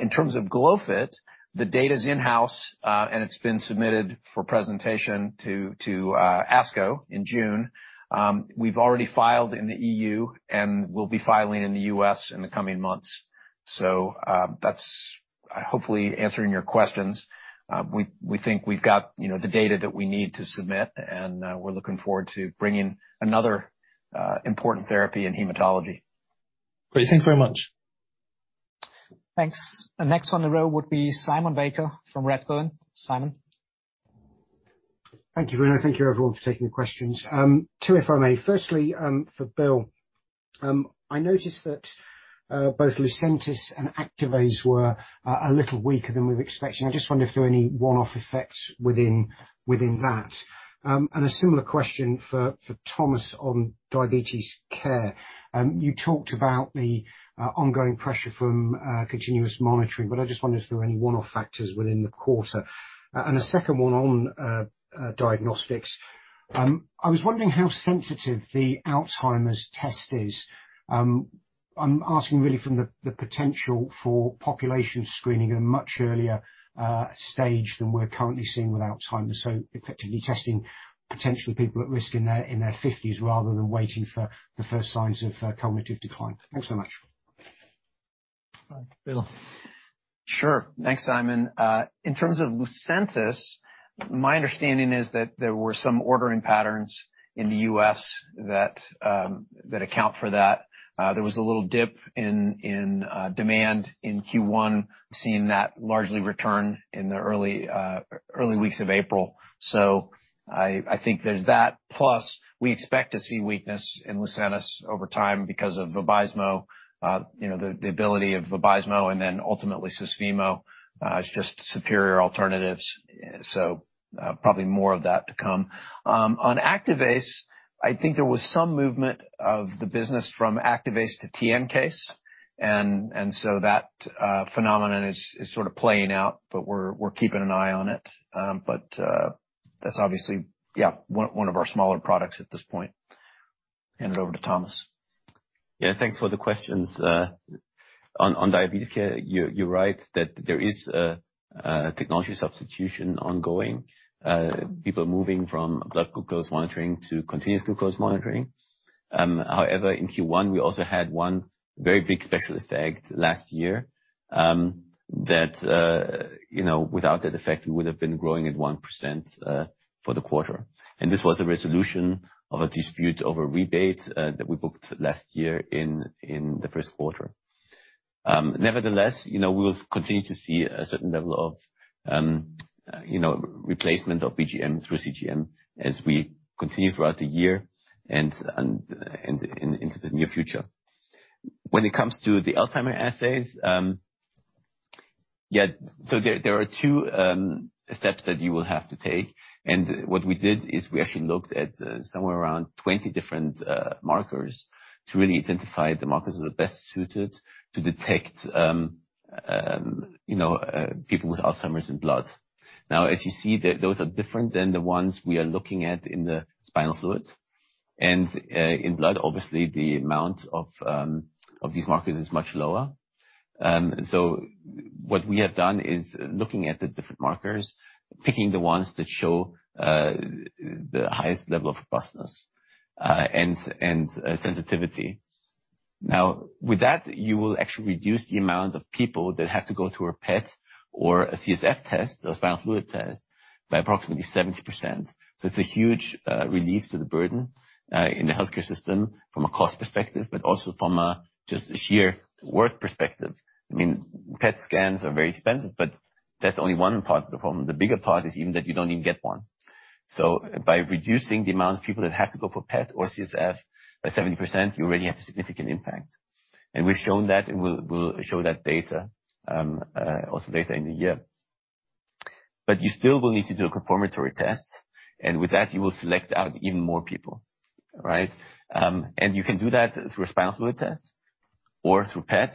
In terms of glofitamab, the data's in-house, and it's been submitted for presentation to ASCO in June. We've already filed in the EU, and we'll be filing in the U.S. in the coming months. That's hopefully answering your questions. We think we've got, you know, the data that we need to submit, and we're looking forward to bringing another important therapy in hematology. Great. Thank you very much. Thanks. The next in the queue would be Simon Baker from Redburn. Simon. Thank you. I thank you everyone for taking the questions. Two, if I may. Firstly, for Bill, I noticed that both Lucentis and Activase were a little weaker than we've expected. I just wonder if there are any one-off effects within that. A similar question for Thomas on diabetes care. You talked about the ongoing pressure from continuous monitoring, but I just wonder if there are any one-off factors within the quarter. A second one on diagnostics. I was wondering how sensitive the Alzheimer's test is. I'm asking really from the potential for population screening at a much earlier stage than we're currently seeing with Alzheimer's. Effectively testing potentially people at risk in their fifties rather than waiting for the first signs of cognitive decline. Thanks so much. Bill. Sure. Thanks, Simon. In terms of Lucentis, my understanding is that there were some ordering patterns in the U.S. that account for that. There was a little dip in demand in Q1. We've seen that largely return in the early weeks of April. I think there's that. Plus, we expect to see weakness in Lucentis over time because of Vabysmo, you know, the ability of Vabysmo and then ultimately Susvimo is just superior alternatives. Probably more of that to come. On Activase, I think there was some movement of the business from Activase to TNKase, and so that phenomenon is sort of playing out, but we're keeping an eye on it. That's obviously, yeah, one of our smaller products at this point. Hand it over to Thomas. Yeah. Thanks for the questions. On diabetes care, you're right that there is a technology substitution ongoing, people moving from blood glucose monitoring to continuous glucose monitoring. However, in Q1, we also had one very big special effect last year, that you know, without that effect, we would've been growing at 1% for the quarter. This was a resolution of a dispute over rebate that we booked last year in the first quarter. Nevertheless, you know, we'll continue to see a certain level of you know, replacement of BGM through CGM as we continue throughout the year and in into the near future. When it comes to the Alzheimer's assays, there are two steps that you will have to take. What we did is we actually looked at somewhere around 20 different markers to really identify the markers that are best suited to detect, you know, people with Alzheimer's in blood. Now, as you see, those are different than the ones we are looking at in the spinal fluids. In blood, obviously, the amount of these markers is much lower. So what we have done is looking at the different markers, picking the ones that show the highest level of robustness and sensitivity. Now with that, you will actually reduce the amount of people that have to go through a PET or a CSF test, a spinal fluid test, by approximately 70%. It's a huge relief to the burden in the healthcare system from a cost perspective, but also from a just a sheer work perspective. I mean, PET scans are very expensive, but that's only one part of the problem. The bigger part is even that you don't even get one. By reducing the amount of people that have to go for PET or CSF by 70%, you already have a significant impact. We've shown that, and we'll show that data also later in the year. You still will need to do a confirmatory test, and with that, you will select out even more people, right? You can do that through a spinal fluid test or through PET.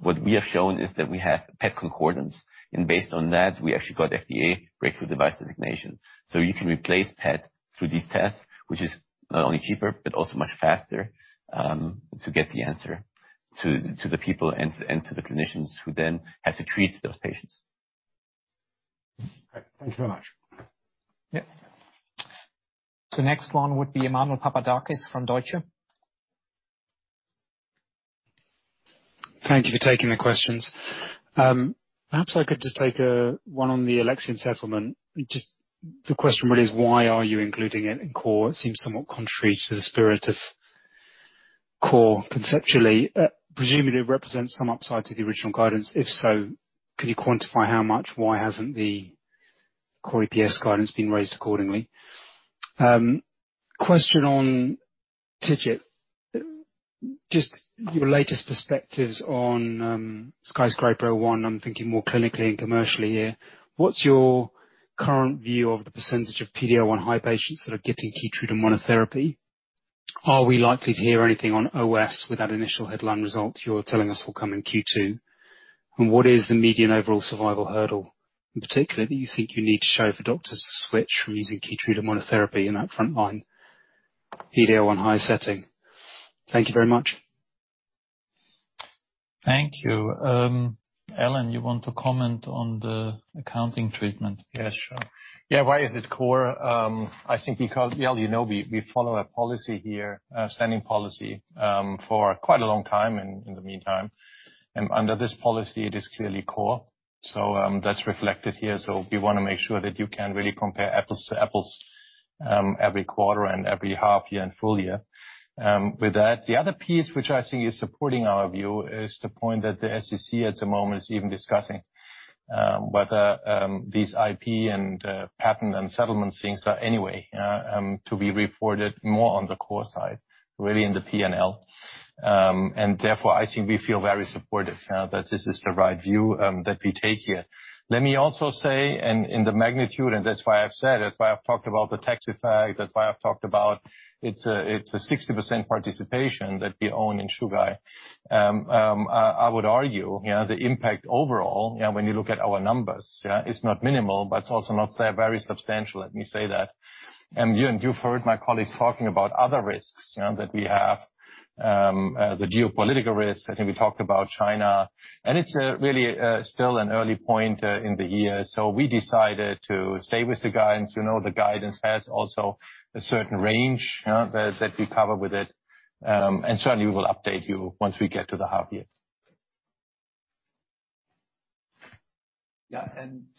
What we have shown is that we have PET concordance, and based on that, we actually got FDA Breakthrough Device Designation. You can replace PET through these tests, which is not only cheaper, but also much faster, to get the answer to the people and to the clinicians who then have to treat those patients. All right. Thank you very much. Yeah. The next one would be Emmanuel Papadakis from Deutsche. Thank you for taking the questions. Perhaps I could just take one on the Alexion settlement. Just the question really is why are you including it in core? It seems somewhat contrary to the spirit of core conceptually. Presumably, it represents some upside to the original guidance. If so, could you quantify how much? Why hasn't the core EPS guidance been raised accordingly? Question on TIGIT. Just your latest perspectives on SKYSCRAPER-01. I'm thinking more clinically and commercially here. What's your current view of the percentage of PDL1 high patients that are getting KEYTRUDA monotherapy? Are we likely to hear anything on OS with that initial headline result you're telling us will come in Q2? What is the median overall survival hurdle in particular that you think you need to show for doctors to switch from using KEYTRUDA monotherapy in that frontline PDL1 high setting? Thank you very much. Thank you. Alan, you want to comment on the accounting treatment? Yeah, sure. Yeah, why is it core? I think because, well, you know, we follow a policy here, a standing policy, for quite a long time in the meantime. Under this policy, it is clearly core. That's reflected here. We wanna make sure that you can really compare apples to apples, every quarter and every half year and full year. With that, the other piece which I think is supporting our view is the point that the SEC at the moment is even discussing whether these IP and patent and settlement things are any way to be reported more on the core side, really in the P&L. Therefore, I think we feel very supportive that this is the right view that we take here. Let me also say, in the magnitude, that's why I've said, that's why I've talked about the tax effect, that's why I've talked about it's a 60% participation that we own in Chugai. I would argue, you know, the impact overall, you know, when you look at our numbers, yeah, is not minimal, but it's also not so very substantial, let me say that. You've heard my colleagues talking about other risks, you know, that we have, the geopolitical risks. I think we talked about China. It's really still an early point in the year. We decided to stay with the guidance. We know the guidance has also a certain range that we cover with it. Certainly, we'll update you once we get to the half year. Yeah,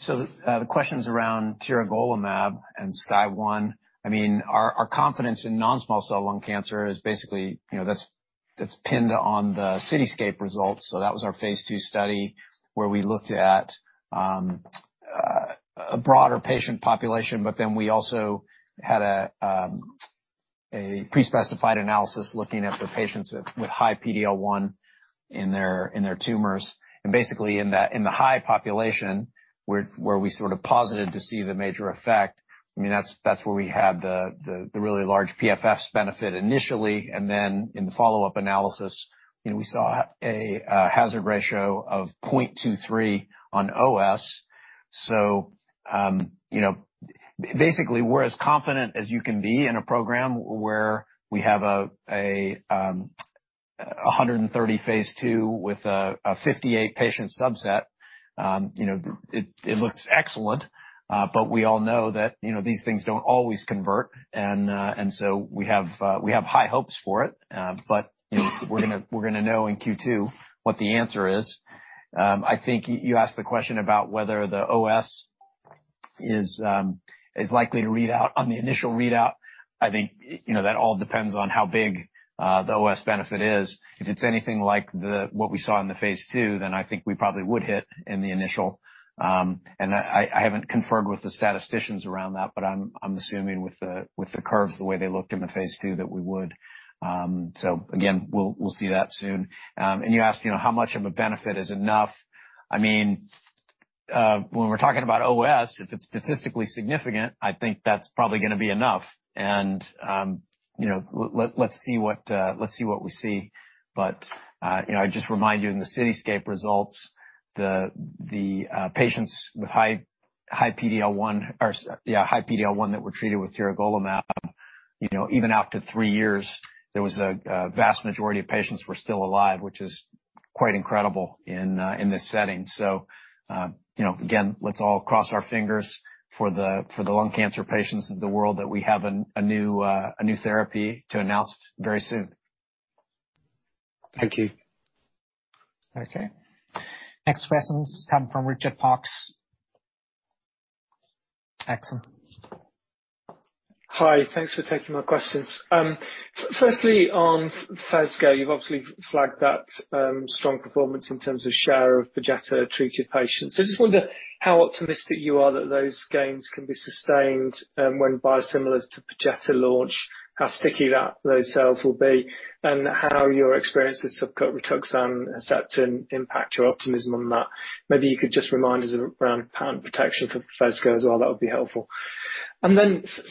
the questions around tiragolumab and SKYSCRAPER-01, I mean, our confidence in non-small cell lung cancer is basically, you know, that's pinned on the CITYSCAPE results. That was our phase II study where we looked at a broader patient population, but then we also had a pre-specified analysis looking at the patients with high PDL1 in their tumors. Basically, in the high population where we sort of posited to see the major effect, I mean, that's where we had the really large PFS benefit initially. Then in the follow-up analysis, you know, we saw a hazard ratio of 0.23 on OS. Basically, we're as confident as you can be in a program where we have a 130 phase II with a 58 patient subset. You know, it looks excellent. We all know that, you know, these things don't always convert and so we have high hopes for it. You know, we're gonna know in Q2 what the answer is. I think you asked the question about whether the OS is likely to read out on the initial readout. I think, you know, that all depends on how big the OS benefit is. If it's anything like what we saw in the phase II, then I think we probably would hit in the initial. I haven't confirmed with the statisticians around that, but I'm assuming with the curves, the way they looked in the phase II, that we would. We'll see that soon. You asked, you know, how much of a benefit is enough. I mean, when we're talking about OS, if it's statistically significant, I think that's probably gonna be enough. You know, let's see what we see. You know, I just remind you in the CITYSCAPE results, the patients with high PDL1. Yeah, high PDL1 that were treated with tiragolumab, you know, even after three years, there was a vast majority of patients were still alive, which is quite incredible in this setting. You know, again, let's all cross our fingers for the lung cancer patients of the world that we have a new therapy to announce very soon. Thank you. Okay. Next questions come from Richard Parkes. Richard. Hi. Thanks for taking my questions. Firstly, on Phesgo, you've obviously flagged that strong performance in terms of share of Perjeta-treated patients. I just wonder how optimistic you are that those gains can be sustained when biosimilars to Perjeta launch, how sticky those sales will be, and how your experience with subQ Rituxan and Herceptin impact your optimism on that. Maybe you could just remind us around patent protection for Phesgo as well. That would be helpful.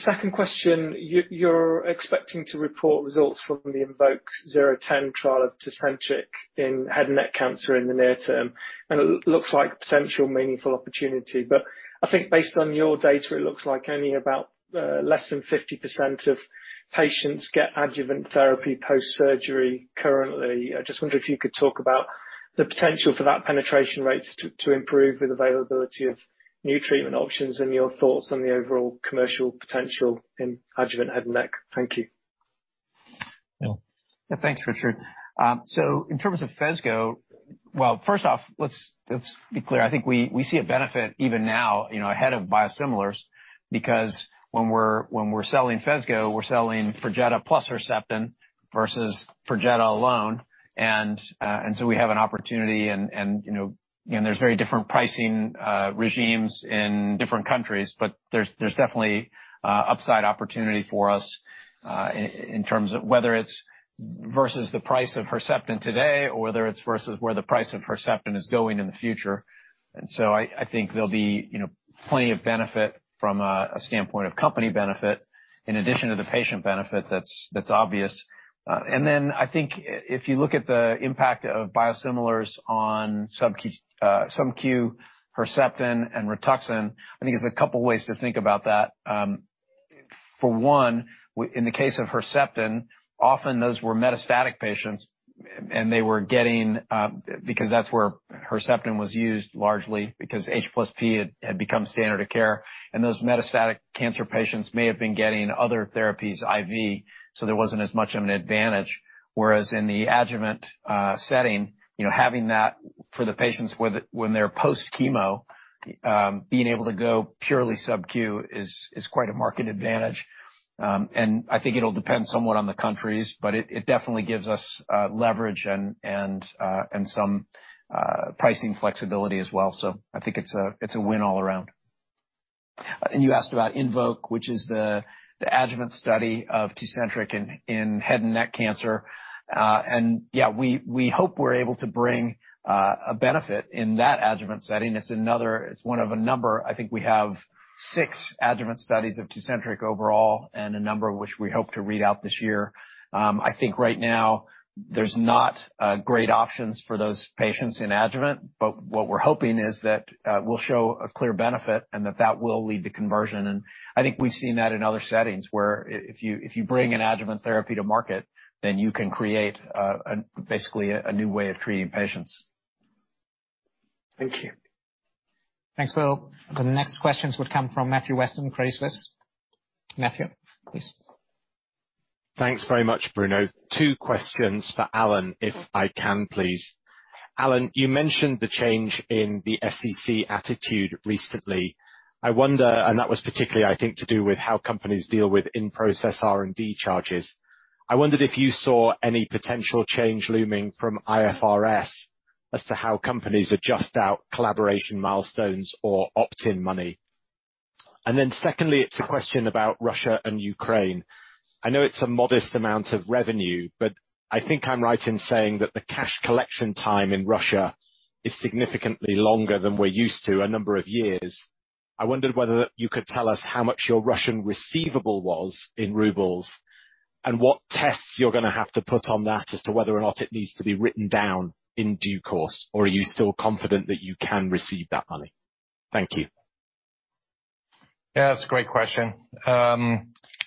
Second question. You're expecting to report results from the IMvoke010 trial of Tecentriq in head and neck cancer in the near term, and it looks like potential meaningful opportunity. But I think based on your data, it looks like only about less than 50% of patients get adjuvant therapy post-surgery currently. I just wonder if you could talk about the potential for that penetration rates to improve with availability of new treatment options and your thoughts on the overall commercial potential in adjuvant head and neck. Thank you. Bill. Yeah. Thanks, Richard. In terms of Phesgo, well, first off, let's be clear. I think we see a benefit even now, you know, ahead of biosimilars, because when we're selling Phesgo, we're selling Perjeta+Herceptin versus Perjeta alone. We have an opportunity and, you know, and there's very different pricing regimes in different countries. There's definitely upside opportunity for us in terms of whether it's versus the price of Herceptin today or whether it's versus where the price of Herceptin is going in the future. I think there'll be, you know, plenty of benefit from a standpoint of company benefit in addition to the patient benefit that's obvious. I think if you look at the impact of biosimilars on subQ Herceptin and Rituxan, I think there's a couple ways to think about that. For one, in the case of Herceptin, often those were metastatic patients and they were getting because that's where Herceptin was used largely because H+P had become standard of care, and those metastatic cancer patients may have been getting other therapies IV, so there wasn't as much of an advantage. Whereas in the adjuvant setting, you know, having that for the patients when they're post-chemo, being able to go purely subQ is quite a market advantage. I think it'll depend somewhat on the countries, but it definitely gives us leverage and some pricing flexibility as well. I think it's a win all around. You asked about IMvoke, which is the adjuvant study of Tecentriq in head and neck cancer. We hope we're able to bring a benefit in that adjuvant setting. It's another. It's one of a number. I think we have six adjuvant studies of Tecentriq overall, and a number of which we hope to read out this year. I think right now there's not great options for those patients in adjuvant, but what we're hoping is that we'll show a clear benefit and that that will lead to conversion. I think we've seen that in other settings where if you bring an adjuvant therapy to market, then you can create basically a new way of treating patients. Thank you. Thanks, Bill. The next questions would come from Matthew Weston at Credit Suisse. Matthew, please. Thanks very much, Bruno. Two questions for Alan, if I can, please. Alan, you mentioned the change in the SEC attitude recently. I wonder. That was particularly, I think, to do with how companies deal with in-process R&D charges. I wondered if you saw any potential change looming from IFRS as to how companies adjust out collaboration milestones or opt-in money. Then secondly, it's a question about Russia and Ukraine. I know it's a modest amount of revenue, but I think I'm right in saying that the cash collection time in Russia is significantly longer than we're used to, a number of years. I wondered whether you could tell us how much your Russian receivable was in rubles and what tests you're gonna have to put on that as to whether or not it needs to be written down in due course or are you still confident that you can receive that money? Thank you. Yeah, that's a great question.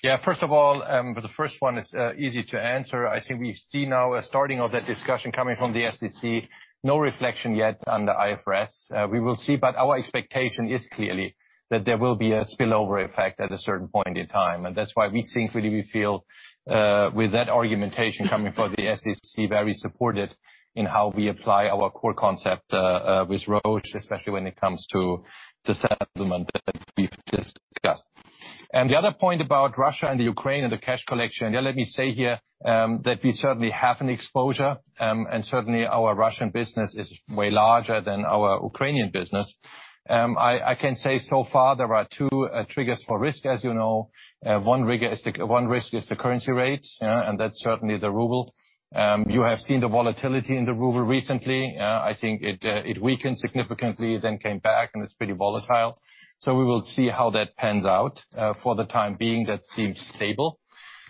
Yeah, first of all, the first one is easy to answer. I think we see now a starting of that discussion coming from the SEC. No reflection yet on the IFRS. We will see, but our expectation is clearly that there will be a spillover effect at a certain point in time. That's why we think, really, we feel, with that argumentation coming from the SEC, very supported in how we apply our core concept, with Roche, especially when it comes to the settlement that we've just discussed. The other point about Russia and the Ukraine and the cash collection, yeah, let me say here, that we certainly have an exposure, and certainly our Russian business is way larger than our Ukrainian business. I can say so far, there are two triggers for risk, as you know. One risk is the currency rate, yeah, and that's certainly the ruble. You have seen the volatility in the ruble recently. I think it weakened significantly then came back, and it's pretty volatile. We will see how that pans out. For the time being, that seems stable.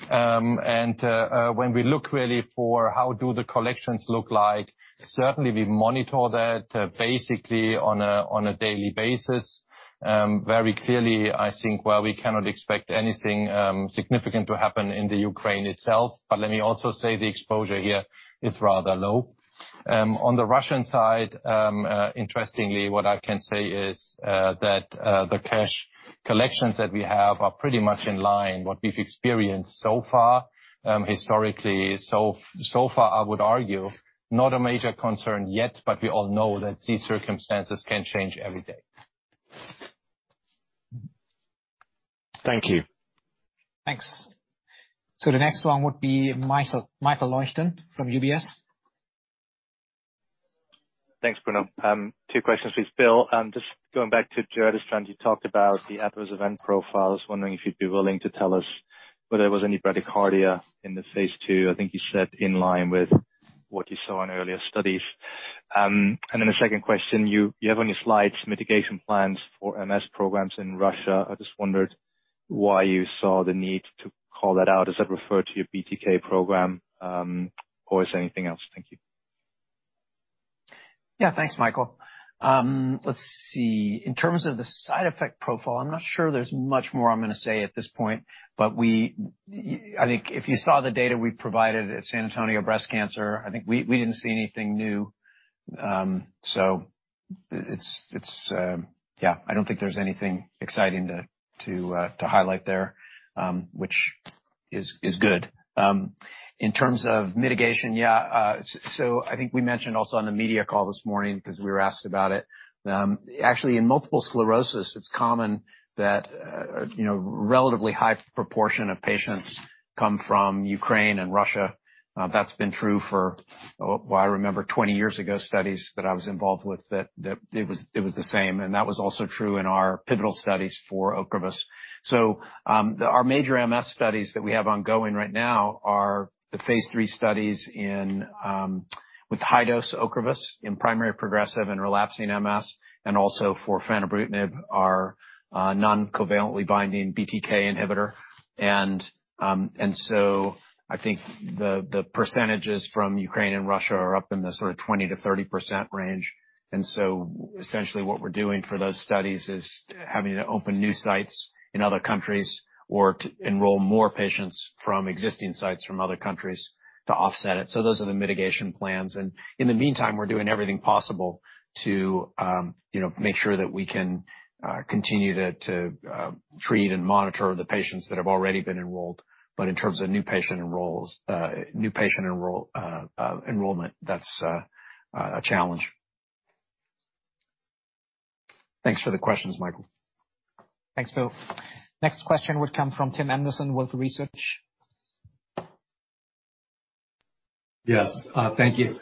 When we look really for how do the collections look like, certainly we monitor that basically on a daily basis. Very clearly, I think, while we cannot expect anything significant to happen in the Ukraine itself, but let me also say the exposure here is rather low. On the Russian side, interestingly, what I can say is that the cash Collections that we have are pretty much in line. What we've experienced so far, historically. So far, I would argue not a major concern yet, but we all know that these circumstances can change every day. Thank you. Thanks. The next one would be Michael Leuchten from UBS. Thanks, Bruno. Two questions please, Bill. Just going back to giredestrant, you talked about the adverse event profiles. Wondering if you'd be willing to tell us whether there was any bradycardia in the phase II. I think you said in line with what you saw in earlier studies. And then the second question, you have on your slides mitigation plans for MS programs in Russia. I just wondered why you saw the need to call that out. Does that refer to your BTK program, or is there anything else? Thank you. Yeah. Thanks, Michael. Let's see. In terms of the side effect profile, I'm not sure there's much more I'm gonna say at this point. I think if you saw the data we provided at San Antonio breast cancer, I think we didn't see anything new. So it's yeah, I don't think there's anything exciting to highlight there, which is good. In terms of mitigation. Yeah. So I think we mentioned also on the media call this morning, 'cause we were asked about it. Actually, in multiple sclerosis, it's common that you know, relatively high proportion of patients come from Ukraine and Russia. That's been true for, well, I remember 20 years ago, studies that I was involved with that it was the same. That was also true in our pivotal studies for Ocrevus. Our major MS studies that we have ongoing right now are the phase III studies in with high dose Ocrevus in primary progressive and relapsing MS, and also for fenebrutinib, our non-covalent BTK inhibitor. I think the percentages from Ukraine and Russia are up in the sort of 20%-30% range. Essentially what we're doing for those studies is having to open new sites in other countries or to enroll more patients from existing sites from other countries to offset it. Those are the mitigation plans. In the meantime, we're doing everything possible to you know make sure that we can continue to treat and monitor the patients that have already been enrolled. In terms of new patient enrollment, that's a challenge. Thanks for the questions, Michael. Thanks, Bill. Next question would come from Tim Anderson with Wolfe Research. Yes. Thank you.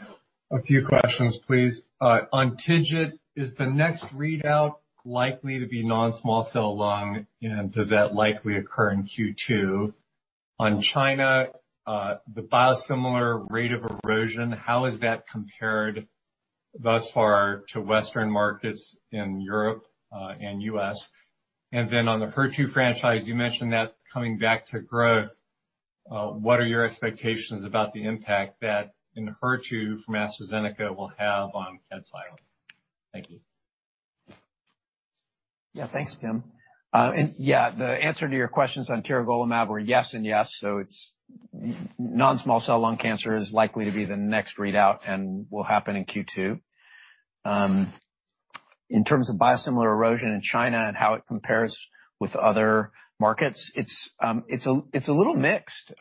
A few questions, please. On TIGIT, is the next readout likely to be non-small cell lung? And does that likely occur in Q2? On China, the biosimilar rate of erosion, how has that compared thus far to Western markets in Europe and U.S.? And then on the HER2 franchise, you mentioned that coming back to growth, what are your expectations about the impact that Enhertu from AstraZeneca will have on Kadcyla? Thank you. Yeah. Thanks, Tim. The answer to your questions on tiragolumab were yes and yes. It's non-small cell lung cancer is likely to be the next readout and will happen in Q2. In terms of biosimilar erosion in China and how it compares with other markets, it's a little mixed.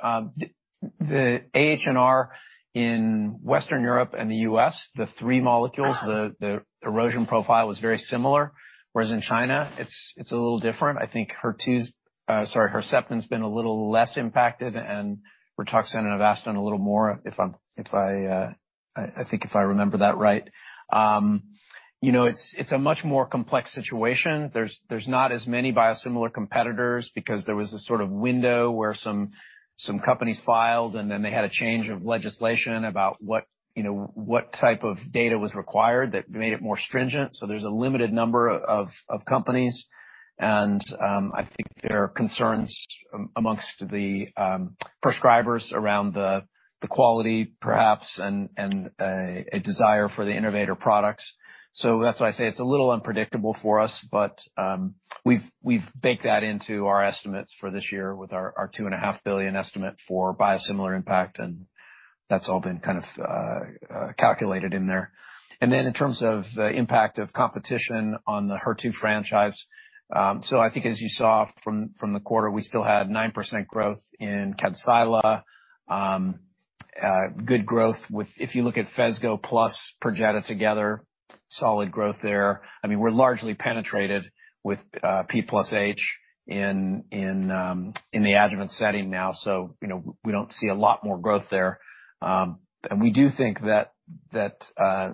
The AHR in Western Europe and the U.S., the three molecules, the erosion profile was very similar, whereas in China it's a little different. I think Herceptin's been a little less impacted and Rituxan and Avastin a little more. If I remember that right. You know, it's a much more complex situation. There's not as many biosimilar competitors because there was a sort of window where some companies filed and then they had a change of legislation about what, you know, what type of data was required that made it more stringent. There's a limited number of companies. I think there are concerns among the prescribers around the quality perhaps, and a desire for the innovator products. That's why I say it's a little unpredictable for us. We've baked that into our estimates for this year with our 2.5 billion estimate for biosimilar impact, and that's all been kind of calculated in there. In terms of the impact of competition on the HER2 franchise, I think as you saw from the quarter, we still had 9% growth in Kadcyla. Good growth if you look at Phesgo plus Perjeta together, solid growth there. I mean, we're largely penetrated with P+H in the adjuvant setting now. You know, we don't see a lot more growth there. We do think that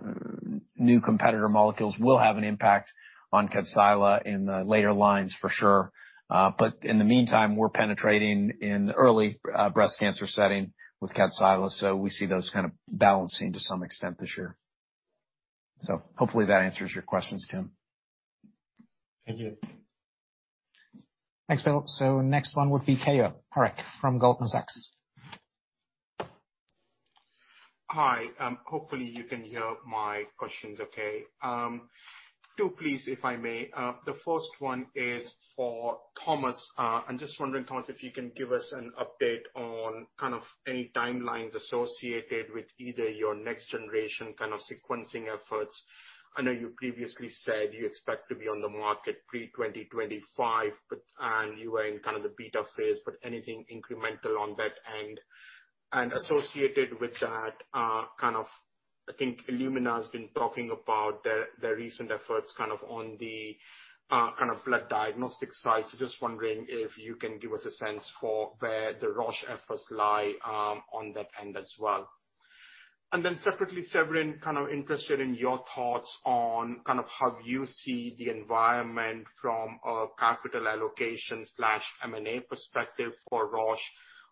new competitor molecules will have an impact on Kadcyla in the later lines for sure. But in the meantime, we're penetrating in early breast cancer setting with Kadcyla, so we see those kind of balancing to some extent this year. Hopefully that answers your questions, Tim. Thank you. Thanks, Bill. Next one would be Keyur Parekh from Goldman Sachs. Hi. Hopefully you can hear my questions okay. Two please, if I may. The first one is for Thomas, I'm just wondering, Thomas, if you can give us an update on kind of any timelines associated with either your next generation kind of sequencing efforts. I know you previously said you expect to be on the market pre-2025, and you were in kind of the beta phase, but anything incremental on that end? And associated with that, kind of, I think Illumina has been talking about their recent efforts, kind of, on the kind of blood diagnostic side. So just wondering if you can give us a sense for where the Roche efforts lie, on that end as well. And then separately, Severin, kind of interested in your thoughts on kind of how you see the environment from a capital allocation slash M&A perspective for Roche.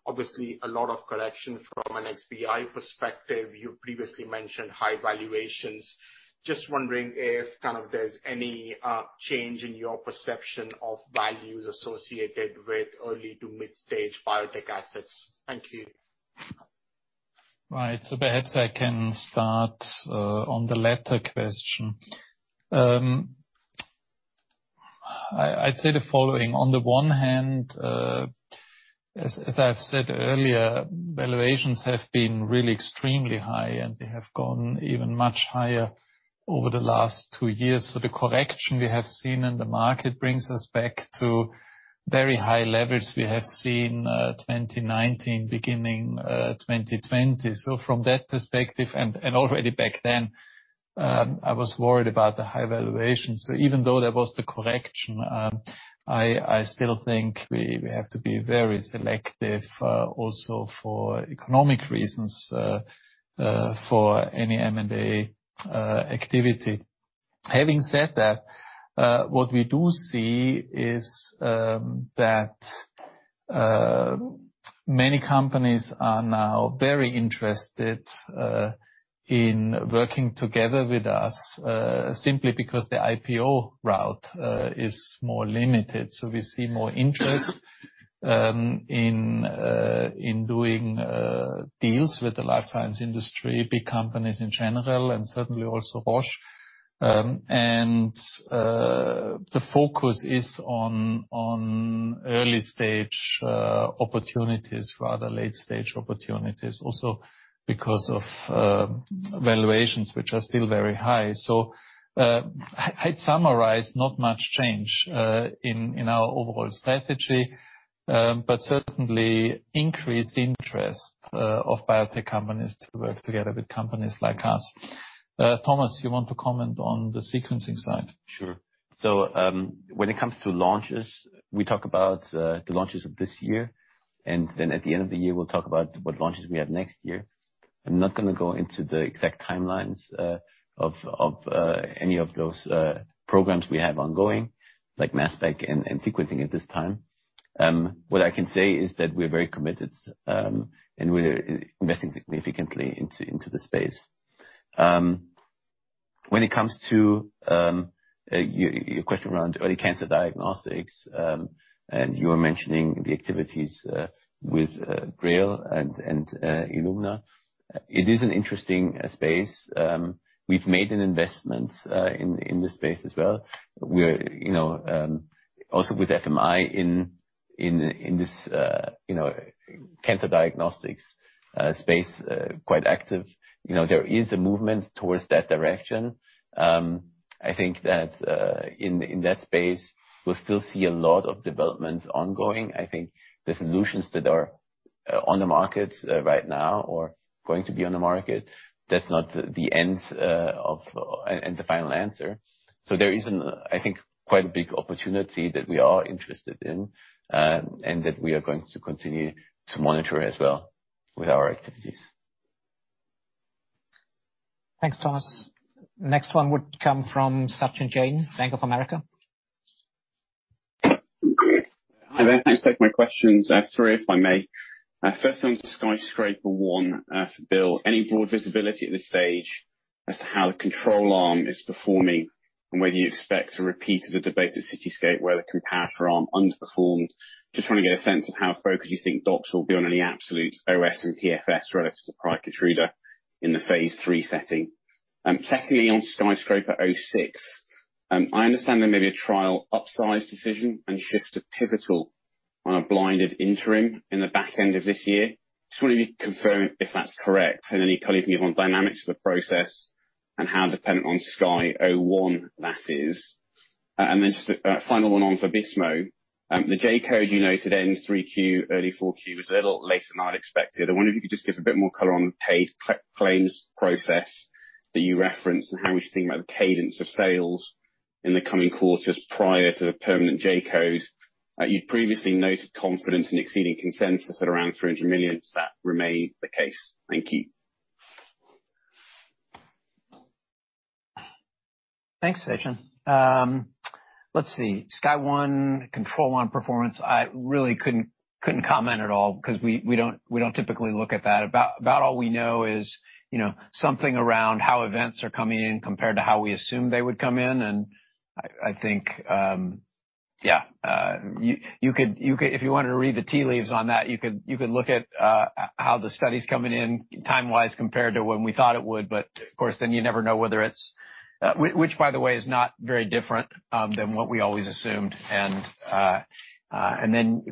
Obviously, a lot of correction from an EV perspective. You previously mentioned high valuations. Just wondering if, kind of, there's any change in your perception of values associated with early to mid-stage biotech assets. Thank you. Right. Perhaps I can start on the latter question. I'd say the following. On the one hand, as I've said earlier, valuations have been really extremely high, and they have gone even much higher over the last two years. The correction we have seen in the market brings us back to very high levels we have seen, 2019, beginning, 2020. From that perspective, and already back then, I was worried about the high valuations. Even though there was the correction, I still think we have to be very selective, also for economic reasons, for any M&A activity. Having said that, what we do see is that many companies are now very interested in working together with us simply because the IPO route is more limited. We see more interest in doing deals with the life science industry, big companies in general, and certainly also Roche. The focus is on early stage opportunities rather than late stage opportunities also because of valuations, which are still very high. I'd summarize not much change in our overall strategy, but certainly increased interest of biotech companies to work together with companies like us. Thomas, you want to comment on the sequencing side? Sure. When it comes to launches, we talk about the launches of this year, and then at the end of the year, we'll talk about what launches we have next year. I'm not gonna go into the exact timelines of any of those programs we have ongoing, like Mass Spec and sequencing at this time. What I can say is that we're very committed and we're investing significantly into the space. When it comes to your question around early cancer diagnostics and you were mentioning the activities with GRAIL and Illumina, it is an interesting space. We've made an investment in this space as well. We're, you know, also with FMI in this, you know, cancer diagnostics space quite active. You know, there is a movement towards that direction. I think that in that space, we'll still see a lot of developments ongoing. I think the solutions that are on the market right now or going to be on the market. That's not the end and the final answer. There is an, I think, quite a big opportunity that we are interested in, and that we are going to continue to monitor as well with our activities. Thanks, Thomas. Next one would come from Sachin Jain, Bank of America. Hi there. Thanks for taking my questions. Three, if I may. First one's SKYSCRAPER-01, for Bill. Any broad visibility at this stage as to how the control arm is performing and whether you expect a repeat of the debate at CITYSCAPE where the comparator arm underperformed? Just want to get a sense of how focused you think docs will be on any absolute OS and PFS relative to prior KEYTRUDA in the phase III setting. Secondly, on SKYSCRAPER-06, I understand there may be a trial upsize decision and shift to pivotal on a blinded interim in the back end of this year. Just wondering if you can confirm if that's correct and any color you can give on dynamics of the process and how dependent on SKYSCRAPER-01 that is. And then just a final one on for Vabysmo. The J-code you noted in 3Q, early 4Q was a little later than I'd expected. I wonder if you could just give a bit more color on the payer claims process that you referenced and how we should think about the cadence of sales in the coming quarters prior to the permanent J-code. You'd previously noted confidence in exceeding consensus at around 300 million. Does that remain the case? Thank you. Thanks, Sachin. Let's see. SKYSCRAPER-01 control arm performance, I really couldn't comment at all because we don't typically look at that. About all we know is, you know, something around how events are coming in compared to how we assume they would come in. I think you could, if you wanted to read the tea leaves on that, you could look at how the study's coming in time-wise compared to when we thought it would. Of course, you never know whether it's which, by the way, is not very different than what we always assumed. Then, of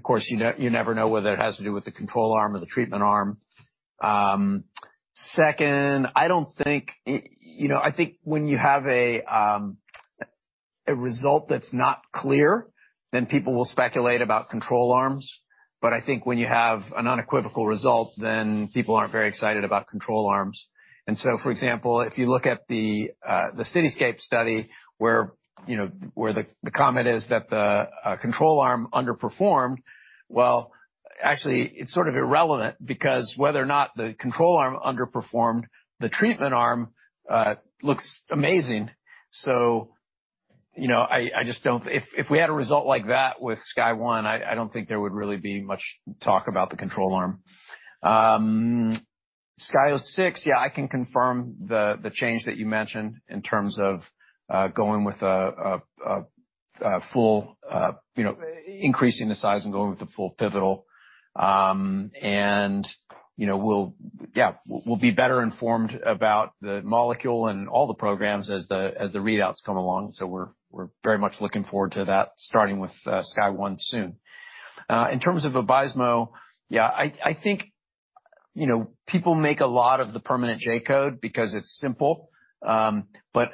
course, you never know whether it has to do with the control arm or the treatment arm. Second, I don't think you know, I think when you have a result that's not clear, then people will speculate about control arms. I think when you have an unequivocal result, then people aren't very excited about control arms. For example, if you look at the CITYSCAPE study where you know, where the comment is that the control arm underperformed, well, actually, it's sort of irrelevant because whether or not the control arm underperformed, the treatment arm looks amazing. You know, I just don't. If we had a result like that with SKYSCRAPER-01, I don't think there would really be much talk about the control arm. SKYSCRAPER-06, yeah, I can confirm the change that you mentioned in terms of going with a full, you know, increasing the size and going with the full pivotal. You know, we'll be better informed about the molecule and all the programs as the readouts come along. We're very much looking forward to that, starting with SKYSCRAPER-01 soon. In terms of Vabysmo, yeah, I think, you know, people make a lot of the permanent J-code because it's simple. But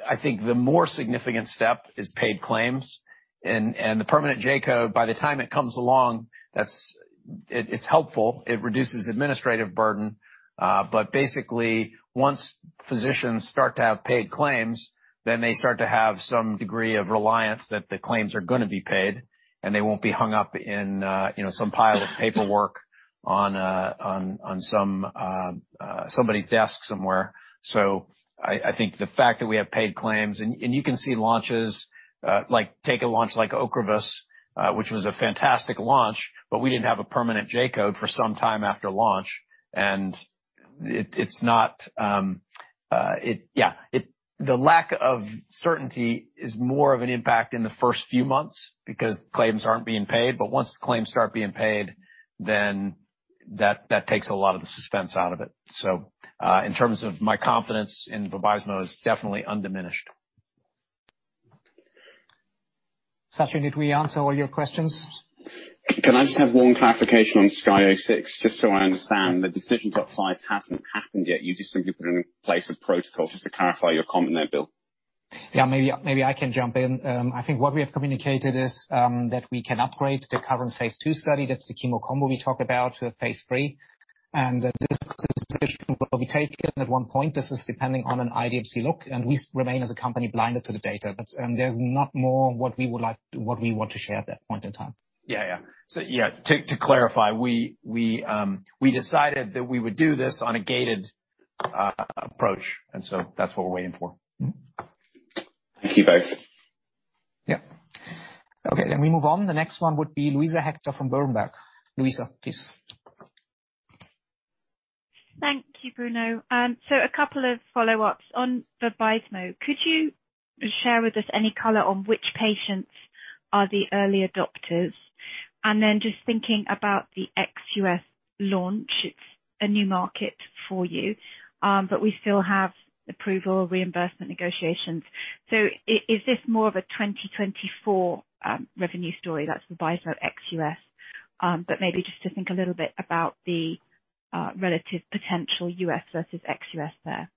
I think the more significant step is paid claims and the permanent J-code, by the time it comes along, it's helpful. It reduces administrative burden. Basically, once physicians start to have paid claims, then they start to have some degree of reliance that the claims are gonna be paid and they won't be hung up in, you know, some pile of paperwork on somebody's desk somewhere. I think the fact that we have paid claims, and you can see launches, like take a launch like Ocrevus, which was a fantastic launch, but we didn't have a permanent J-code for some time after launch. The lack of certainty is more of an impact in the first few months because claims aren't being paid. Once claims start being paid, then that takes a lot of the suspense out of it. In terms of my confidence in Vabysmo, it is definitely undiminished. Sachin, did we answer all your questions? Can I just have one clarification on SKYSCRAPER-06? Just so I understand, the decision to upsize hasn't happened yet. You've just simply put in place a protocol. Just to clarify your comment there, Bill. Maybe I can jump in. I think what we have communicated is that we can upgrade the current phase II study. That's the chemo combo we talk about to a phase III. This decision will be taken at one point. This is depending on an IDMC look, and we remain, as a company, blinded to the data. There's not more what we would like, what we want to share at that point in time. Yeah. To clarify, we decided that we would do this on a gated approach, and so that's what we're waiting for. Thank you both. Yeah. Okay, we move on. The next one would be Luisa Hector from Berenberg. Luisa, please. Thank you, Bruno. A couple of follow-ups. On Vabysmo, could you share with us any color on which patients are the early adopters? Just thinking about the ex-U.S. launch, it's a new market for you, but we still have approval reimbursement negotiations. Is this more of a 2024 revenue story that's Vabysmo ex-U.S.? Maybe just to think a little bit about the relative potential U.S. versus ex-U.S. there.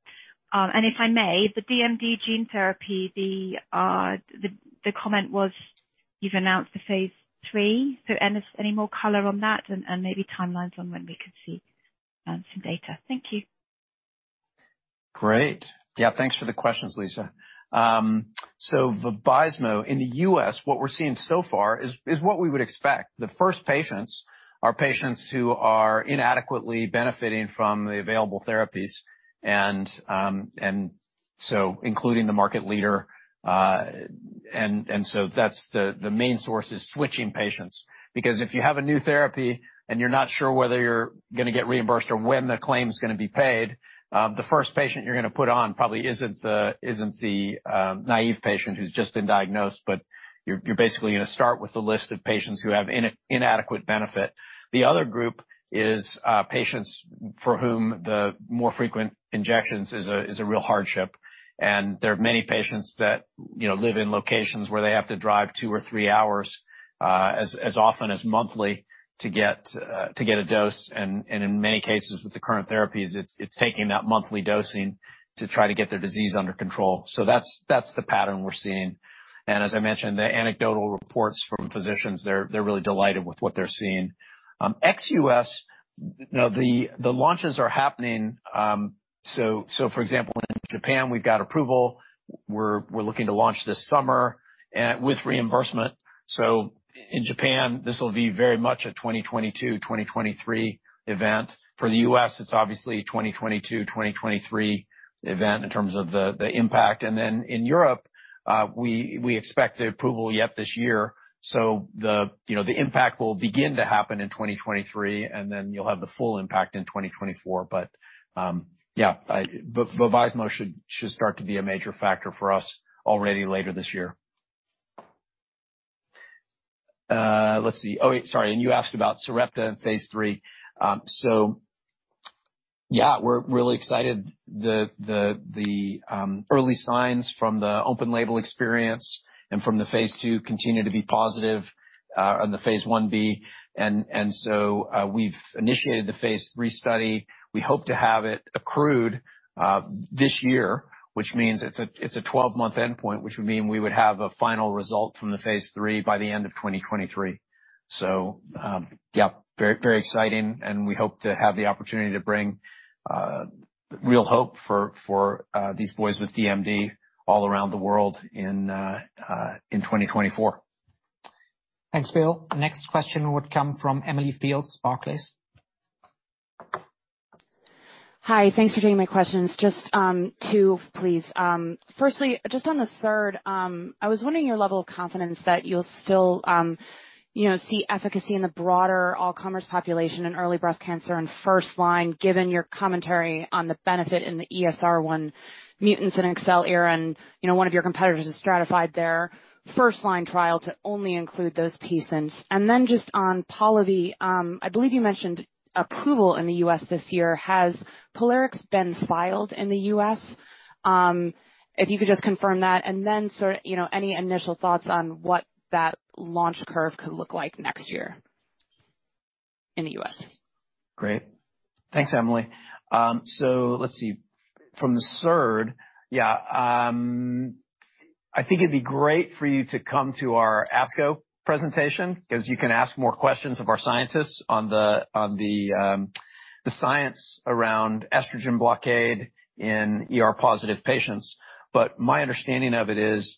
If I may, the DMD gene therapy, the comment was you've announced the phase III. Any more color on that and maybe timelines on when we could see some data. Thank you. Great. Yeah, thanks for the questions, Luisa. So Vabysmo in the U.S., what we're seeing so far is what we would expect. The first patients are patients who are inadequately benefiting from the available therapies and including the market leader. That's the main source, switching patients, because if you have a new therapy and you're not sure whether you're gonna get reimbursed or when the claim's gonna be paid, the first patient you're gonna put on probably isn't the naive patient who's just been diagnosed, but you're basically gonna start with a list of patients who have inadequate benefit. The other group is patients for whom the more frequent injections is a real hardship. There are many patients that, you know, live in locations where they have to drive two or three hours as often as monthly to get a dose. In many cases with the current therapies, it's taking that monthly dosing to try to get their disease under control. That's the pattern we're seeing. As I mentioned, the anecdotal reports from physicians, they're really delighted with what they're seeing. Ex-U.S., you know, the launches are happening. For example, in Japan, we've got approval. We're looking to launch this summer with reimbursement. In Japan, this will be very much a 2022/2023 event. For the U.S., it's obviously a 2022/2023 event in terms of the impact. In Europe, we expect the approval yet this year. The impact will begin to happen in 2023, and then you'll have the full impact in 2024. Vabysmo should start to be a major factor for us already later this year. You asked about Sarepta in phase III. We're really excited. The early signs from the open label experience and from the phase II continue to be positive on the phase Ib. We've initiated the phase III study. We hope to have it accrued this year, which means it's a 12-month endpoint, which would mean we would have a final result from the phase III by the end of 2023. Yeah, very, very exciting, and we hope to have the opportunity to bring real hope for these boys with DMD all around the world in 2024. Thanks, Bill. The next question would come from Emily Field, Barclays. Hi. Thanks for taking my questions. Just two, please. Firstly, just on the third, I was wondering your level of confidence that you'll still, you know, see efficacy in the broader all comers population in early breast cancer and first line, given your commentary on the benefit in the ESR1 mutants in acelERA, and you know, one of your competitors has stratified their first line trial to only include those patients. Then just on Polivy, I believe you mentioned approval in the U.S. this year. Has POLARIX been filed in the U.S.? If you could just confirm that, and then sort of, you know, any initial thoughts on what that launch curve could look like next year in the U.S. Great. Thanks, Emily. So let's see. From the third, yeah, I think it'd be great for you to come to our ASCO presentation because you can ask more questions of our scientists on the science around estrogen blockade in ER-positive patients. My understanding of it is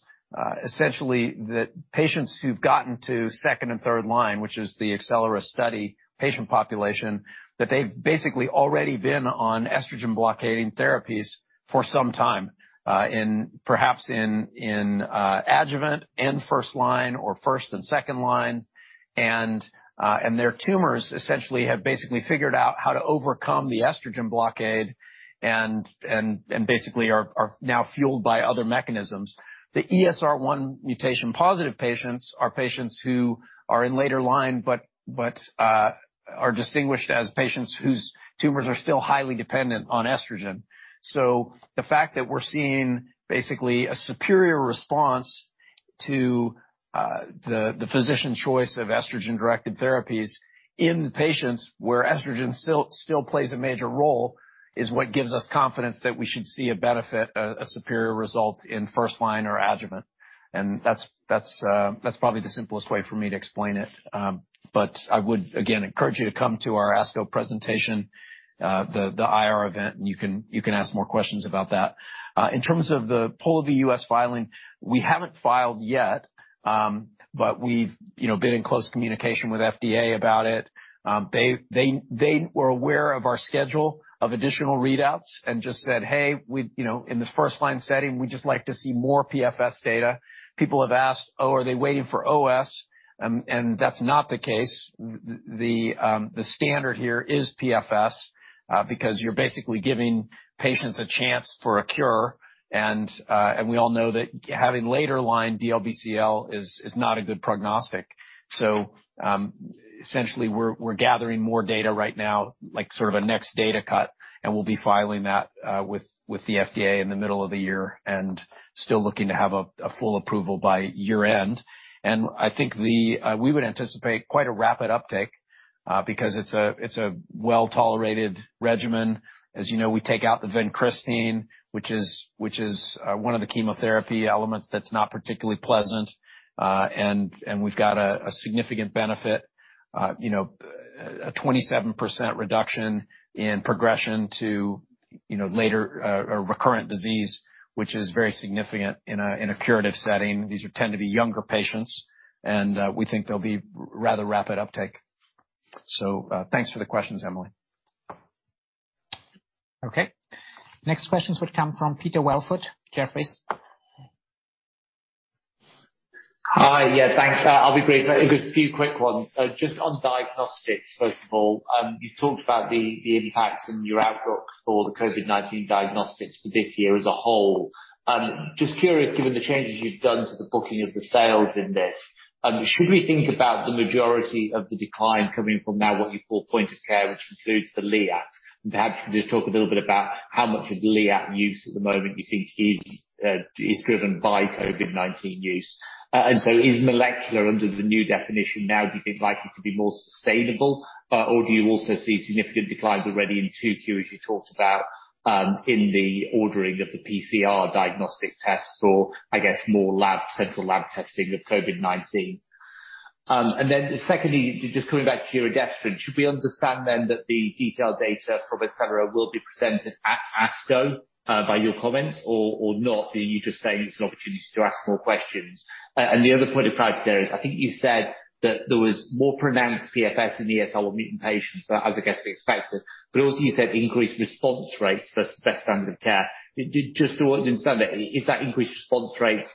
essentially that patients who've gotten to second and third line, which is the acelERA study patient population, that they've basically already been on estrogen-blockading therapies for some time in perhaps adjuvant and first line or first and second line. Their tumors essentially have basically figured out how to overcome the estrogen blockade and basically are now fueled by other mechanisms. The ESR1 mutation-positive patients are patients who are in later line but are distinguished as patients whose tumors are still highly dependent on estrogen. So the fact that we're seeing basically a superior response to the physician's choice of estrogen-directed therapies in patients where estrogen still plays a major role is what gives us confidence that we should see a benefit, a superior result in first line or adjuvant. That's probably the simplest way for me to explain it. I would again encourage you to come to our ASCO presentation, the IR event, and you can ask more questions about that. In terms of the Polivy U.S. filing, we haven't filed yet, but we've, you know, been in close communication with FDA about it. They were aware of our schedule of additional readouts and just said, "Hey, you know, in this first line setting, we'd just like to see more PFS data." People have asked, "Oh, are they waiting for OS?" That's not the case. The standard here is PFS, because you're basically giving patients a chance for a cure, and we all know that having later line DLBCL is not a good prognostic. Essentially, we're gathering more data right now, like sort of a next data cut, and we'll be filing that with the FDA in the middle of the year and still looking to have a full approval by year end. I think we would anticipate quite a rapid uptake, because it's a well-tolerated regimen. As you know, we take out the vincristine, which is one of the chemotherapy elements that's not particularly pleasant. We've got a significant benefit, you know, a 27% reduction in progression to later or recurrent disease, which is very significant in a curative setting. These tend to be younger patients, and we think there'll be rather rapid uptake. Thanks for the questions, Emily. Okay. Next questions would come from Peter Welford, Jefferies. Hi. Yeah, thanks. I'll be brief. A good few quick ones. Just on diagnostics, first of all, you've talked about the impacts and your outlook for the COVID-19 diagnostics for this year as a whole. Just curious, given the changes you've done to the booking of the sales in this, should we think about the majority of the decline coming from now what you call Point of Care, which includes the Liat? And perhaps you can just talk a little bit about how much of the Liat use at the moment you think is driven by COVID-19 use. Is molecular under the new definition now do you think likely to be more sustainable, or do you also see significant declines already in 2Q, as you talked about, in the ordering of the PCR diagnostic tests or I guess more lab, central lab testing of COVID-19? Secondly, just coming back to your giredestrant, should we understand then that the detailed data from et cetera will be presented at ASCO, by your comments or not? Are you just saying it's an opportunity to ask more questions? The other point of clarity there is I think you said that there was more pronounced PFS in the ESR1 mutant patients, as I guess we expected. Also, you said increased response rates versus best standard of care. Just so I understand it, is that increased response rates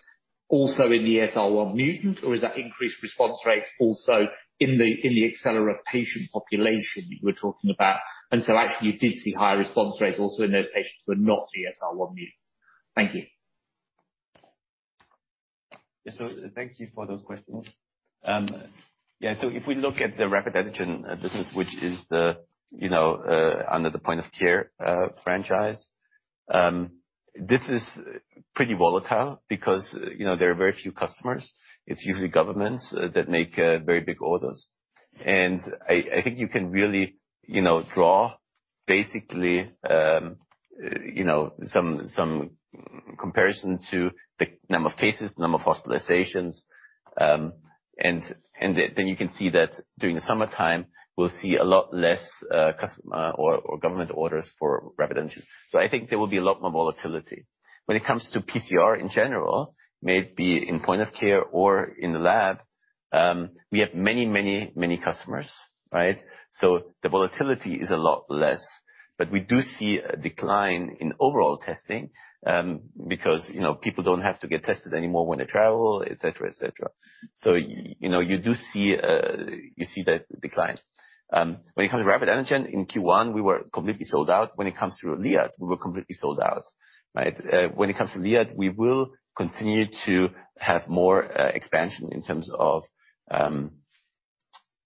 also in the ESR1 mutant, or is that increased response rates also in the acelERA patient population you were talking about, and so actually you did see higher response rates also in those patients who are not ESR1 mutant? Thank you. Thank you for those questions. Yeah, if we look at the rapid antigen business, which is the, you know, under the Point of Care franchise, this is pretty volatile because, you know, there are very few customers. It's usually governments that make very big orders. And I think you can really, you know, draw basically you know some comparison to the number of cases, the number of hospitalizations, and then you can see that during the summertime we'll see a lot less customer or government orders for rapid antigen. I think there will be a lot more volatility. When it comes to PCR in general, may it be in Point of Care or in the lab, we have many customers, right? The volatility is a lot less. We do see a decline in overall testing, because, you know, people don't have to get tested anymore when they travel, et cetera, et cetera. You know, you do see, you see that decline. When it comes to rapid antigen, in Q1 we were completely sold out. When it comes to Liat, we were completely sold out, right? When it comes to Liat, we will continue to have more expansion in terms of,